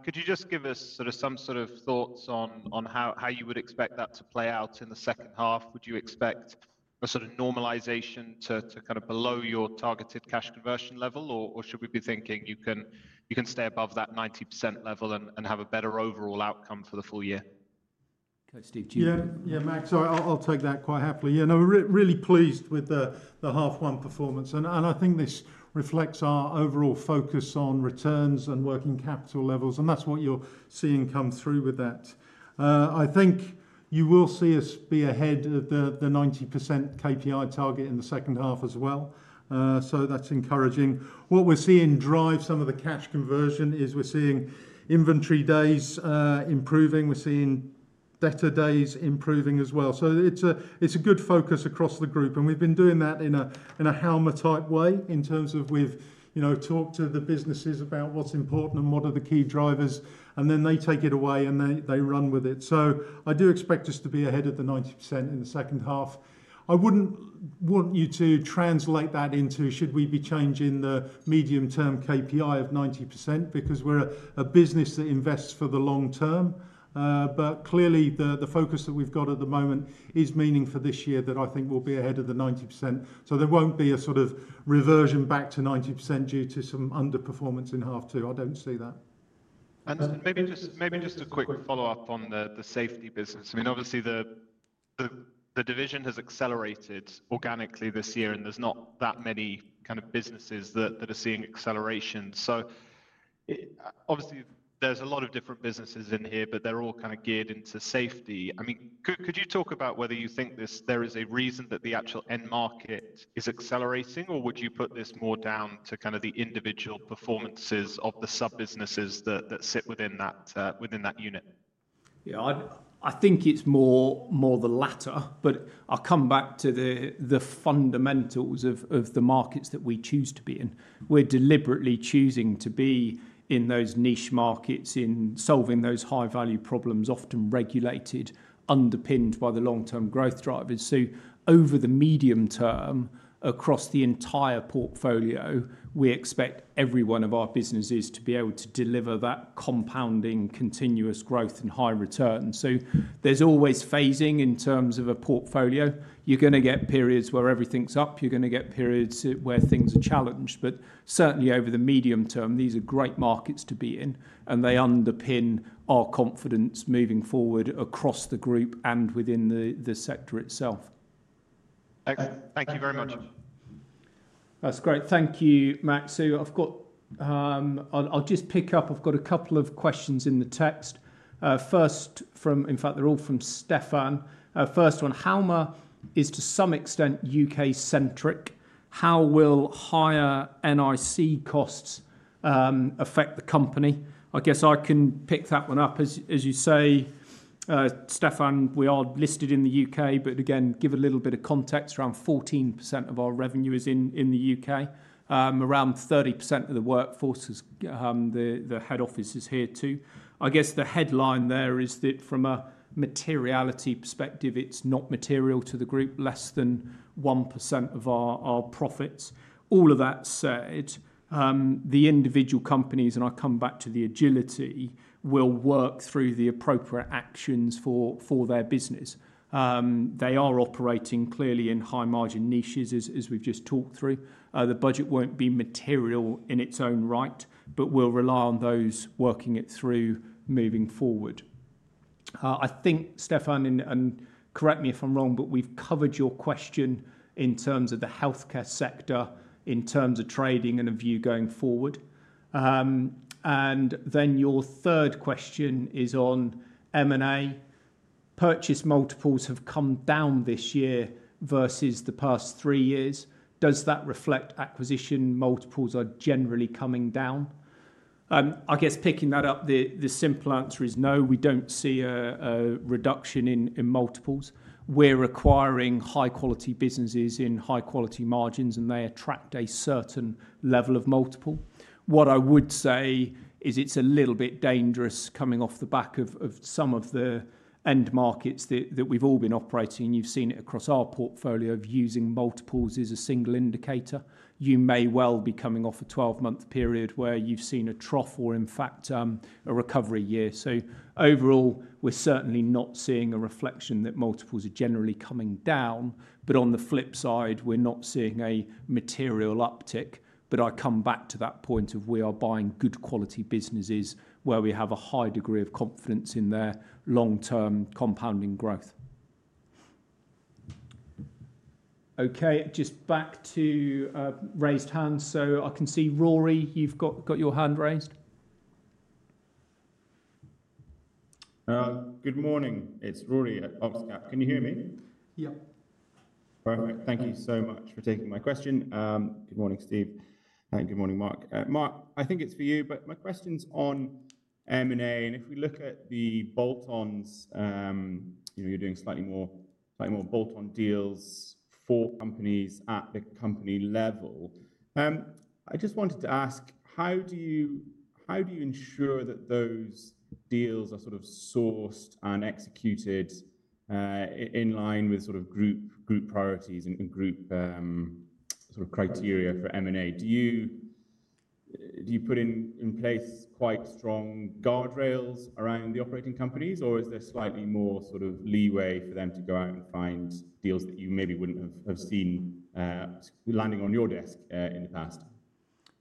Could you just give us sort of some sort of thoughts on how you would expect that to play out in the second half? Would you expect a sort of normalization to kind of below your targeted cash conversion level, or should we be thinking you can stay above that 90% level and have a better overall outcome for the full year? Okay, Steve, do you? Yeah, Max, I'll take that quite happily. Yeah, no, we're really pleased with the half-one performance. And I think this reflects our overall focus on returns and working capital levels, and that's what you're seeing come through with that. I think you will see us be ahead of the 90% KPI target in the second half as well. So that's encouraging. What we're seeing drive some of the cash conversion is we're seeing inventory days improving. We're seeing debtor days improving as well. So it's a good focus across the group, and we've been doing that in a Halma-type way in terms of we've talked to the businesses about what's important and what are the key drivers, and then they take it away and they run with it. So I do expect us to be ahead of the 90% in the second half. I wouldn't want you to translate that into, should we be changing the medium-term KPI of 90% because we're a business that invests for the long term. But clearly, the focus that we've got at the moment is meaning for this year that I think we'll be ahead of the 90%. So there won't be a sort of reversion back to 90% due to some underperformance in half two. I don't see that. And maybe just a quick follow-up on the Safety business. I mean, obviously, the division has accelerated organically this year, and there's not that many kind of businesses that are seeing acceleration. So obviously, there's a lot of different businesses in here, but they're all kind of geared into safety. I mean, could you talk about whether you think there is a reason that the actual end market is accelerating, or would you put this more down to kind of the individual performances of the sub-businesses that sit within that unit Yeah, I think it's more the latter, but I'll come back to the fundamentals of the markets that we choose to be in. We're deliberately choosing to be in those niche markets in solving those high-value problems, often regulated, underpinned by the long-term growth drivers. So over the medium term, across the entire portfolio, we expect every one of our businesses to be able to deliver that compounding continuous growth and high return. So there's always phasing in terms of a portfolio. You're going to get periods where everything's up. You're going to get periods where things are challenged. But certainly, over the medium term, these are great markets to be in, and they underpin our confidence moving forward across the group and within the sector itself. Thank you very much. That's great. Thank you, Max. So I've got. I'll just pick up. I've got a couple of questions in the text. First, from—in fact, they're all from Stefan. First one, Halma is to some extent U.K.-centric. How will higher NIC costs affect the company? I guess I can pick that one up. As you say, Stefan, we are listed in the U.K., but again, give a little bit of context. Around 14% of our revenue is in the U.K. Around 30% of the workforce, the head office is here too. I guess the headline there is that from a materiality perspective, it's not material to the group, less than 1% of our profits. All of that said, the individual companies, and I come back to the agility, will work through the appropriate actions for their business. They are operating clearly in high-margin niches, as we've just talked through. The budget won't be material in its own right, but we'll rely on those working it through moving forward. I think, Stefan, and correct me if I'm wrong, but we've covered your question in terms of the Healthcare sector, in terms of trading and a view going forward. And then your third question is on M&A. Purchase multiples have come down this year versus the past three years. Does that reflect acquisition multiples are generally coming down? I guess picking that up, the simple answer is no. We don't see a reduction in multiples. We're acquiring high-quality businesses in high-quality margins, and they attract a certain level of multiple. What I would say is it's a little bit dangerous coming off the back of some of the end markets that we've all been operating, and you've seen it across our portfolio of using multiples as a single indicator. You may well be coming off a 12-month period where you've seen a trough or, in fact, a recovery year. So overall, we're certainly not seeing a reflection that multiples are generally coming down, but on the flip side, we're not seeing a material uptick. But I come back to that point of we are buying good-quality businesses where we have a high degree of confidence in their long-term compounding growth. Okay, just back to raised hands. So I can see Rory, you've got your hand raised. Good morning. It's Rory at Oxcap. Can you hear me? Yep. Perfect. Thank you so much for taking my question. Good morning, Steve. Good morning, Marc. Marc, I think it's for you, but my question's on M&A. If we look at the bolt-ons, you're doing slightly more bolt-on deals for companies at the company level. I just wanted to ask, how do you ensure that those deals are sort of sourced and executed in line with sort of group priorities and group sort of criteria for M&A? Do you put in place quite strong guardrails around the operating companies, or is there slightly more sort of leeway for them to go out and find deals that you maybe wouldn't have seen landing on your desk in the past?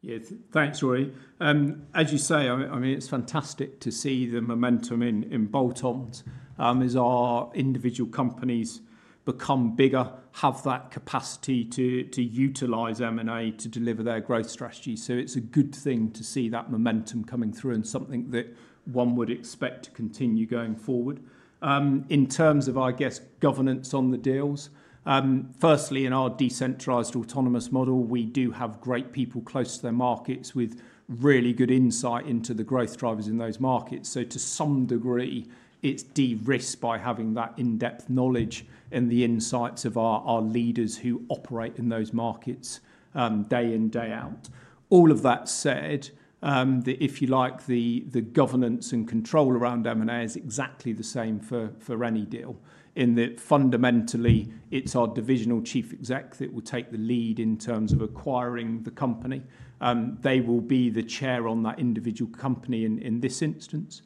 Yes, thanks, Rory. As you say, I mean, it's fantastic to see the momentum in bolt-ons as our individual companies become bigger, have that capacity to utilize M&A to deliver their growth strategy. So it's a good thing to see that momentum coming through and something that one would expect to continue going forward. In terms of, I guess, governance on the deals, firstly, in our decentralized autonomous model, we do have great people close to their markets with really good insight into the growth drivers in those markets. So to some degree, it's de-risked by having that in-depth knowledge and the insights of our leaders who operate in those markets day in, day out. All of that said, if you like, the governance and control around M&A is exactly the same for any deal. In that fundamentally, it's our divisional chief exec that will take the lead in terms of acquiring the company. They will be the chair on that individual company in this instance.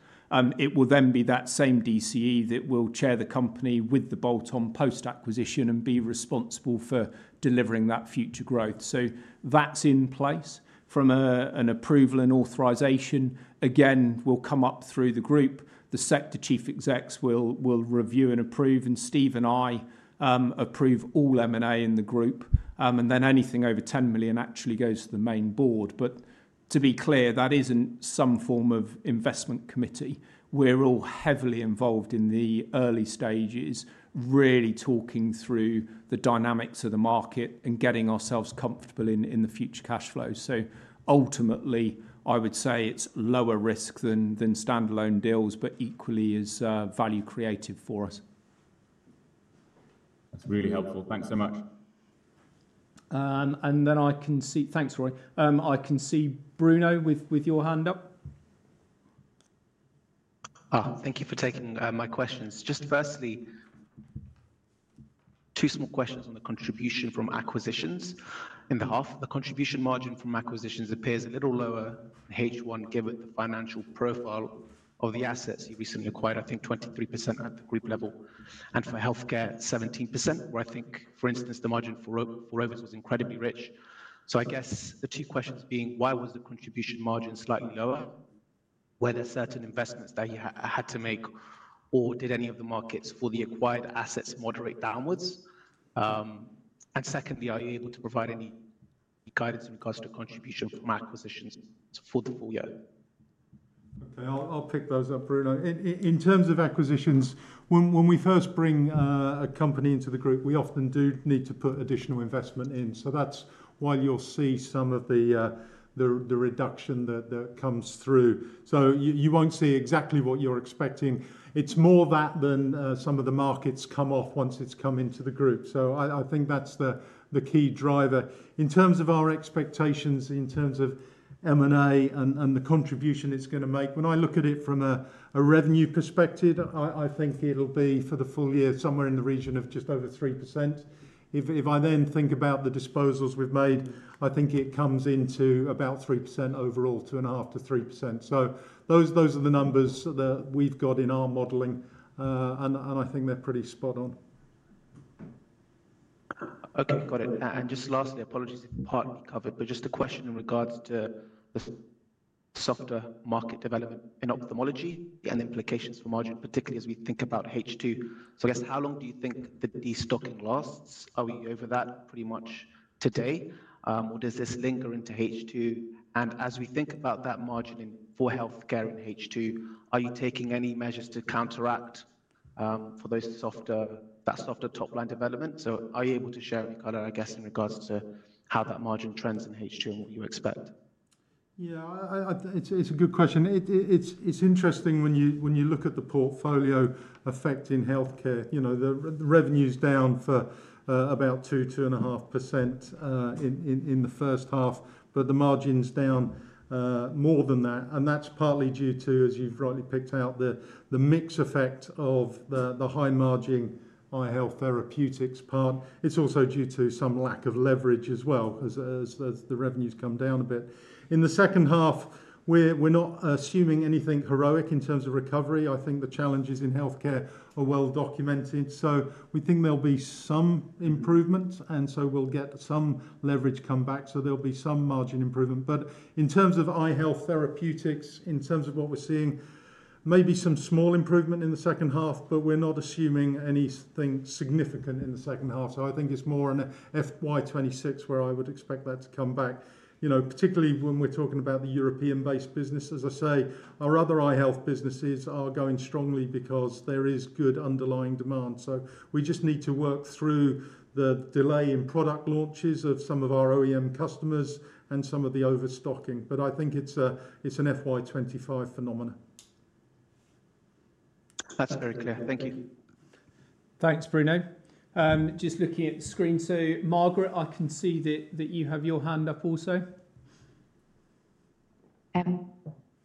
It will then be that same DCE that will chair the company with the bolt-on post-acquisition and be responsible for delivering that future growth, so that's in place from an approval and authorization. Again, we'll come up through the group. The sector chief execs will review and approve, and Steve and I approve all M&A in the group, and then anything over 10 million actually goes to the main board, but to be clear, that isn't some form of investment committee. We're all heavily involved in the early stages, really talking through the dynamics of the market and getting ourselves comfortable in the future cash flow, so ultimately, I would say it's lower risk than standalone deals, but equally is value creative for us. That's really helpful. Thanks so much. And then I can see, thanks, Rory. I can see Bruno with your hand up. Thank you for taking my questions. Just firstly, two small questions on the contribution from acquisitions. In the half, the contribution margin from acquisitions appears a little lower in H1, given the financial profile of the assets you recently acquired, I think 23% at the group level. And for Healthcare, 17%, where I think, for instance, the margin for Rovers was incredibly rich. So I guess the two questions being, why was the contribution margin slightly lower? Were there certain investments that you had to make, or did any of the markets for the acquired assets moderate downwards? And secondly, are you able to provide any guidance in regards to contribution from acquisitions for the full year? Okay, I'll pick those up, Bruno. In terms of acquisitions, when we first bring a company into the group, we often do need to put additional investment in. So that's why you'll see some of the reduction that comes through. So you won't see exactly what you're expecting. It's more that than some of the markets come off once it's come into the group. So I think that's the key driver. In terms of our expectations, in terms of M&A and the contribution it's going to make, when I look at it from a revenue perspective, I think it'll be for the full year somewhere in the region of just over 3%. If I then think about the disposals we've made, I think it comes into about 3% overall, 2.5%-3%. So those are the numbers that we've got in our modeling, and I think they're pretty spot on. Okay, got it. And just lastly, apologies if partly covered, but just a question in regards to the softer market development in ophthalmology and implications for margin, particularly as we think about H2. So I guess how long do you think the destocking lasts? Are we over that pretty much today, or does this linger into H2? And as we think about that margin for Healthcare in H2, are you taking any measures to counteract for that softer top-line development? So are you able to share any color, I guess, in regards to how that margin trends in H2 and what you expect? Yeah, it's a good question. It's interesting when you look at the portfolio effect in Healthcare. The revenue's down for about 2-2.5% in the first half, but the margin's down more than that. That's partly due to, as you've rightly picked out, the mix effect of the high-margin Eye Health therapeutics part. It's also due to some lack of leverage as well as the revenues come down a bit. In the second half, we're not assuming anything heroic in terms of recovery. I think the challenges in Healthcare are well documented. So we think there'll be some improvement, and so we'll get some leverage come back. So there'll be some margin improvement. But in terms of Eye Health therapeutics, in terms of what we're seeing, maybe some small improvement in the second half, but we're not assuming anything significant in the second half. So I think it's more an FY 2026 where I would expect that to come back, particularly when we're talking about the European-based business. As I say, our other Eye Health businesses are going strongly because there is good underlying demand. So we just need to work through the delay in product launches of some of our OEM customers and some of the overstocking. But I think it's an FY 2025 phenomenon. That's very clear. Thank you. Thanks, Bruno. Just looking at the screen. So Margaret, I can see that you have your hand up also.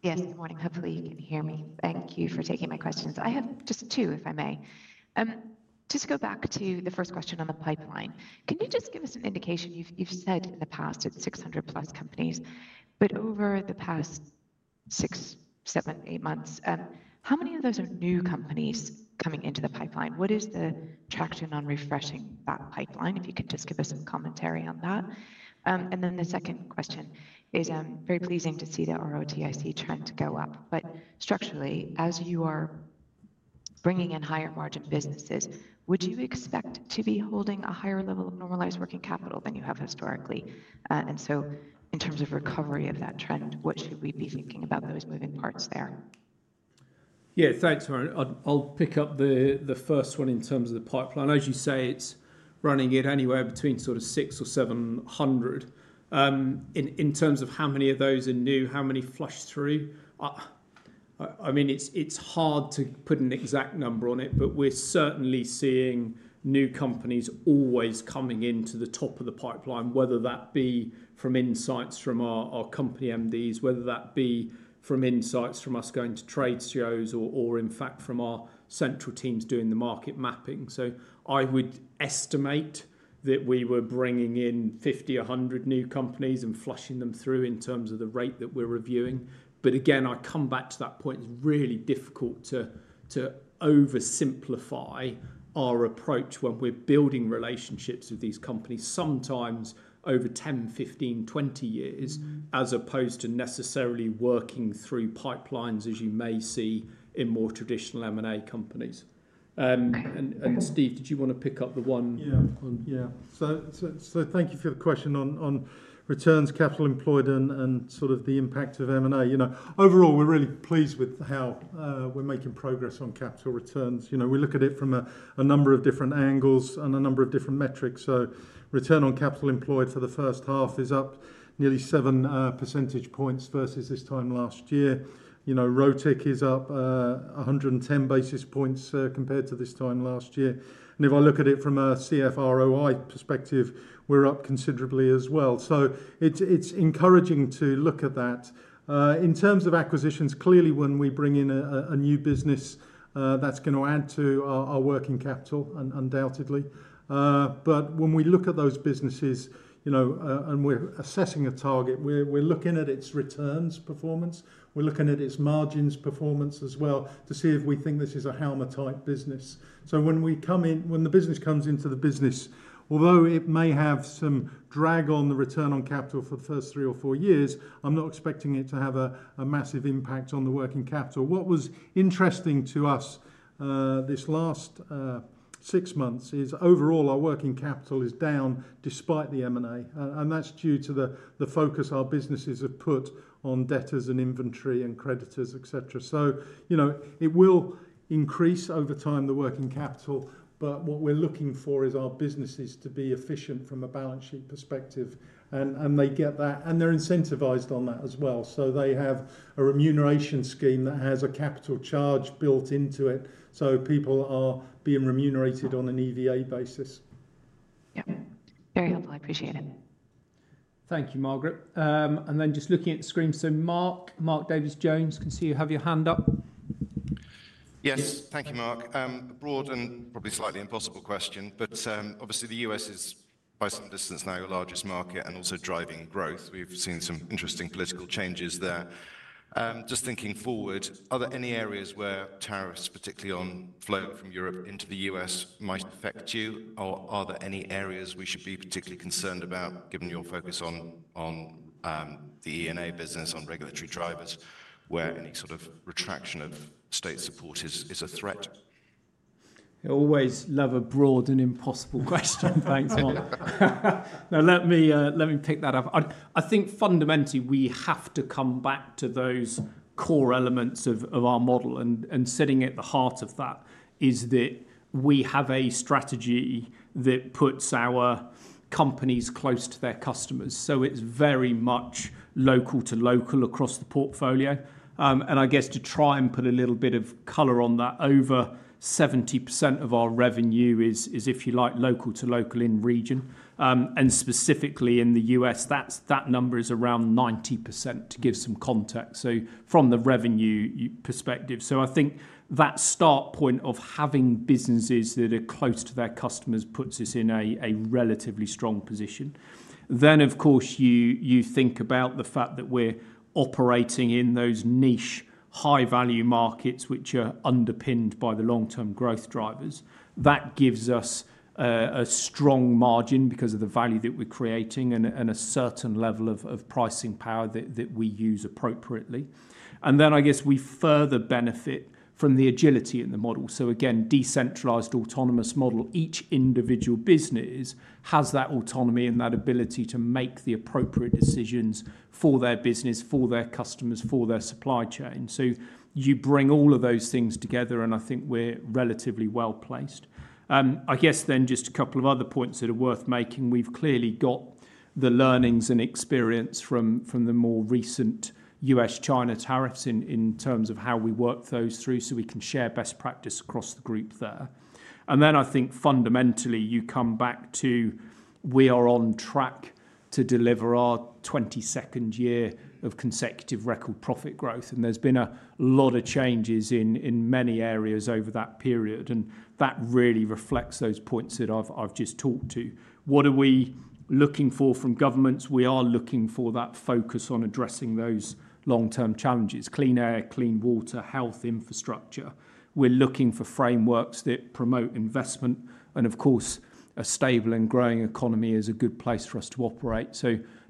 Yes, good morning. Hopefully, you can hear me. Thank you for taking my questions. I have just two, if I may. Just to go back to the first question on the pipeline, can you just give us an indication? You've said in the past it's 600+ companies, but over the past six, seven, eight months, how many of those are new companies coming into the pipeline? What is the traction on refreshing that pipeline? If you could just give us some commentary on that, and then the second question is very pleasing to see the ROTIC trend go up, but structurally, as you are bringing in higher margin businesses, would you expect to be holding a higher level of normalized working capital than you have historically, and so in terms of recovery of that trend, what should we be thinking about those moving parts there? Yeah, thanks, Margaret. I'll pick up the first one in terms of the pipeline. As you say, it's running at anywhere between sort of 600 or 700. In terms of how many of those are new, how many flush through? I mean, it's hard to put an exact number on it, but we're certainly seeing new companies always coming into the top of the pipeline, whether that be from insights from our company MDs, whether that be from insights from us going to trade shows or, in fact, from our central teams doing the market mapping. So I would estimate that we were bringing in 50 or 100 new companies and flushing them through in terms of the rate that we're reviewing. But again, I come back to that point. It's really difficult to oversimplify our approach when we're building relationships with these companies, sometimes over 10, 15, 20 years, as opposed to necessarily working through pipelines as you may see in more traditional M&A companies. And Steve, did you want to pick up the one? Yeah. So thank you for the question on returns, capital employed, and sort of the impact of M&A. Overall, we're really pleased with how we're making progress on capital returns. We look at it from a number of different angles and a number of different metrics. So return on capital employed for the first half is up nearly 7 percentage points versus this time last year. ROTIC is up 110 basis points compared to this time last year. And if I look at it from a CFROI perspective, we're up considerably as well. So it's encouraging to look at that. In terms of acquisitions, clearly, when we bring in a new business, that's going to add to our working capital, undoubtedly. But when we look at those businesses and we're assessing a target, we're looking at its returns performance. We're looking at its margins performance as well to see if we think this is a Halma-type business. So when the business comes into the business, although it may have some drag on the return on capital for the first three or four years, I'm not expecting it to have a massive impact on the working capital. What was interesting to us this last six months is overall, our working capital is down despite the M&A. And that's due to the focus our businesses have put on debtors and inventory and creditors, etc. So it will increase over time, the working capital, but what we're looking for is our businesses to be efficient from a balance sheet perspective. And they get that. And they're incentivized on that as well. So they have a remuneration scheme that has a capital charge built into it. People are being remunerated on an EVA basis. Yep. Very helpful. I appreciate it. Thank you, Margaret. And then just looking at the screen. So Mark, Mark Davies Jones, I can see you have your hand up. Yes, thank you, Marc. Broad and probably slightly impossible question, but obviously, the US is, by some distance now, your largest market and also driving growth. We've seen some interesting political changes there. Just thinking forward, are there any areas where tariffs, particularly on flowing from Europe into the U.S., might affect you, or are there any areas we should be particularly concerned about, given your focus on the E&A business, on regulatory drivers, where any sort of retraction of state support is a threat? I always love a broad and impossible question. Thanks, Mark. Now, let me pick that up. I think fundamentally, we have to come back to those core elements of our model. And sitting at the heart of that is that we have a strategy that puts our companies close to their customers. So it's very much local to local across the portfolio. And I guess to try and put a little bit of color on that, over 70% of our revenue is, if you like, local to local in region. And specifically in the U.S., that number is around 90% to give some context, so from the revenue perspective. So I think that start point of having businesses that are close to their customers puts us in a relatively strong position. Then, of course, you think about the fact that we're operating in those niche, high-value markets, which are underpinned by the long-term growth drivers. That gives us a strong margin because of the value that we're creating and a certain level of pricing power that we use appropriately, and then I guess we further benefit from the agility in the model, so again, decentralized autonomous model. Each individual business has that autonomy and that ability to make the appropriate decisions for their business, for their customers, for their supply chain, so you bring all of those things together, and I think we're relatively well placed. I guess then just a couple of other points that are worth making. We've clearly got the learnings and experience from the more recent U.S.-China tariffs in terms of how we work those through so we can share best practice across the group there, and then I think fundamentally, you come back to we are on track to deliver our 22nd year of consecutive record profit growth. There's been a lot of changes in many areas over that period. That really reflects those points that I've just talked to. What are we looking for from governments? We are looking for that focus on addressing those long-term challenges: clean air, clean water, health infrastructure. We're looking for frameworks that promote investment. Of course, a stable and growing economy is a good place for us to operate.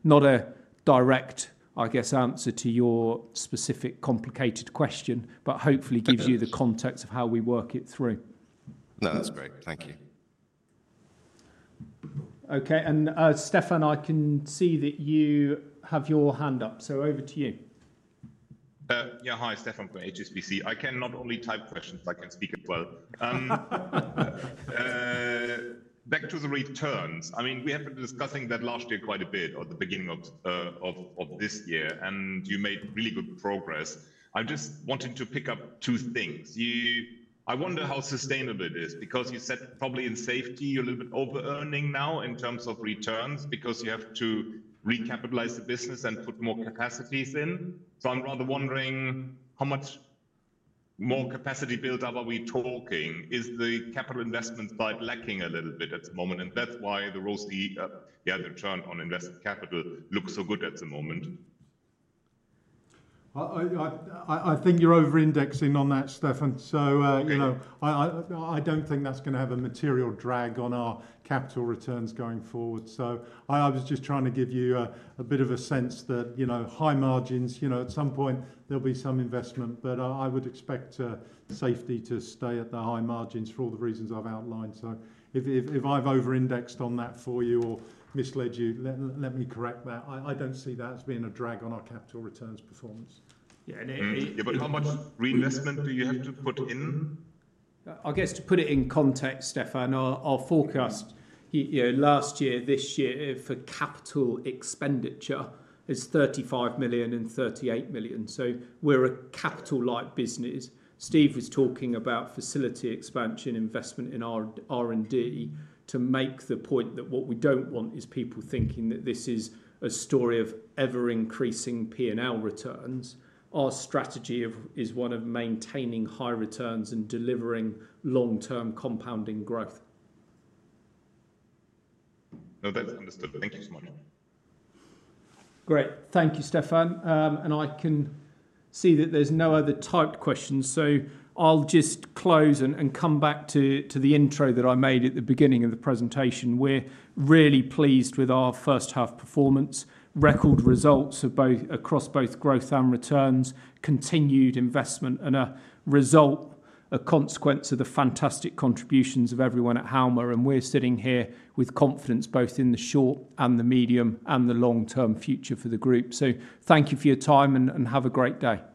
Not a direct, I guess, answer to your specific complicated question, but hopefully gives you the context of how we work it through. No, that's great. Thank you. Okay. Stefan, I can see that you have your hand up. So over to you. Yeah, hi, Stefan from HSBC. I can not only type questions, I can speak as well. Back to the returns. I mean, we have been discussing that last year quite a bit or the beginning of this year, and you made really good progress. I just wanted to pick up two things. I wonder how sustainable it is because you said probably in Safety, you're a little bit over-earning now in terms of returns because you have to recapitalize the business and put more capacities in. So I'm rather wondering how much more capacity build-up are we talking? Is the capital investment side lacking a little bit at the moment? And that's why the ROIC, yeah, the return on invested capital looks so good at the moment. I think you're over-indexing on that, Stefan. So I don't think that's going to have a material drag on our capital returns going forward. So I was just trying to give you a bit of a sense that high margins, at some point, there'll be some investment, but I would expect Safety to stay at the high margins for all the reasons I've outlined. So if I've over-indexed on that for you or misled you, let me correct that. I don't see that as being a drag on our capital returns performance. Yeah. And how much reinvestment do you have to put in? I guess to put it in context, Stefan, our forecast last year, this year for capital expenditure is 35 million and 38 million. So we're a capital-light business. Steve was talking about facility expansion, investment in R&D to make the point that what we don't want is people thinking that this is a story of ever-increasing P&L returns. Our strategy is one of maintaining high returns and delivering long-term compounding growth. No, that's understood. Thank you so much. Great. Thank you, Stefan. And I can see that there's no other typed questions. So I'll just close and come back to the intro that I made at the beginning of the presentation. We're really pleased with our first-half performance, record results across both growth and returns, continued investment, and a result, a consequence of the fantastic contributions of everyone at Halma. And we're sitting here with confidence both in the short and the medium and the long-term future for the group. So thank you for your time and have a great day.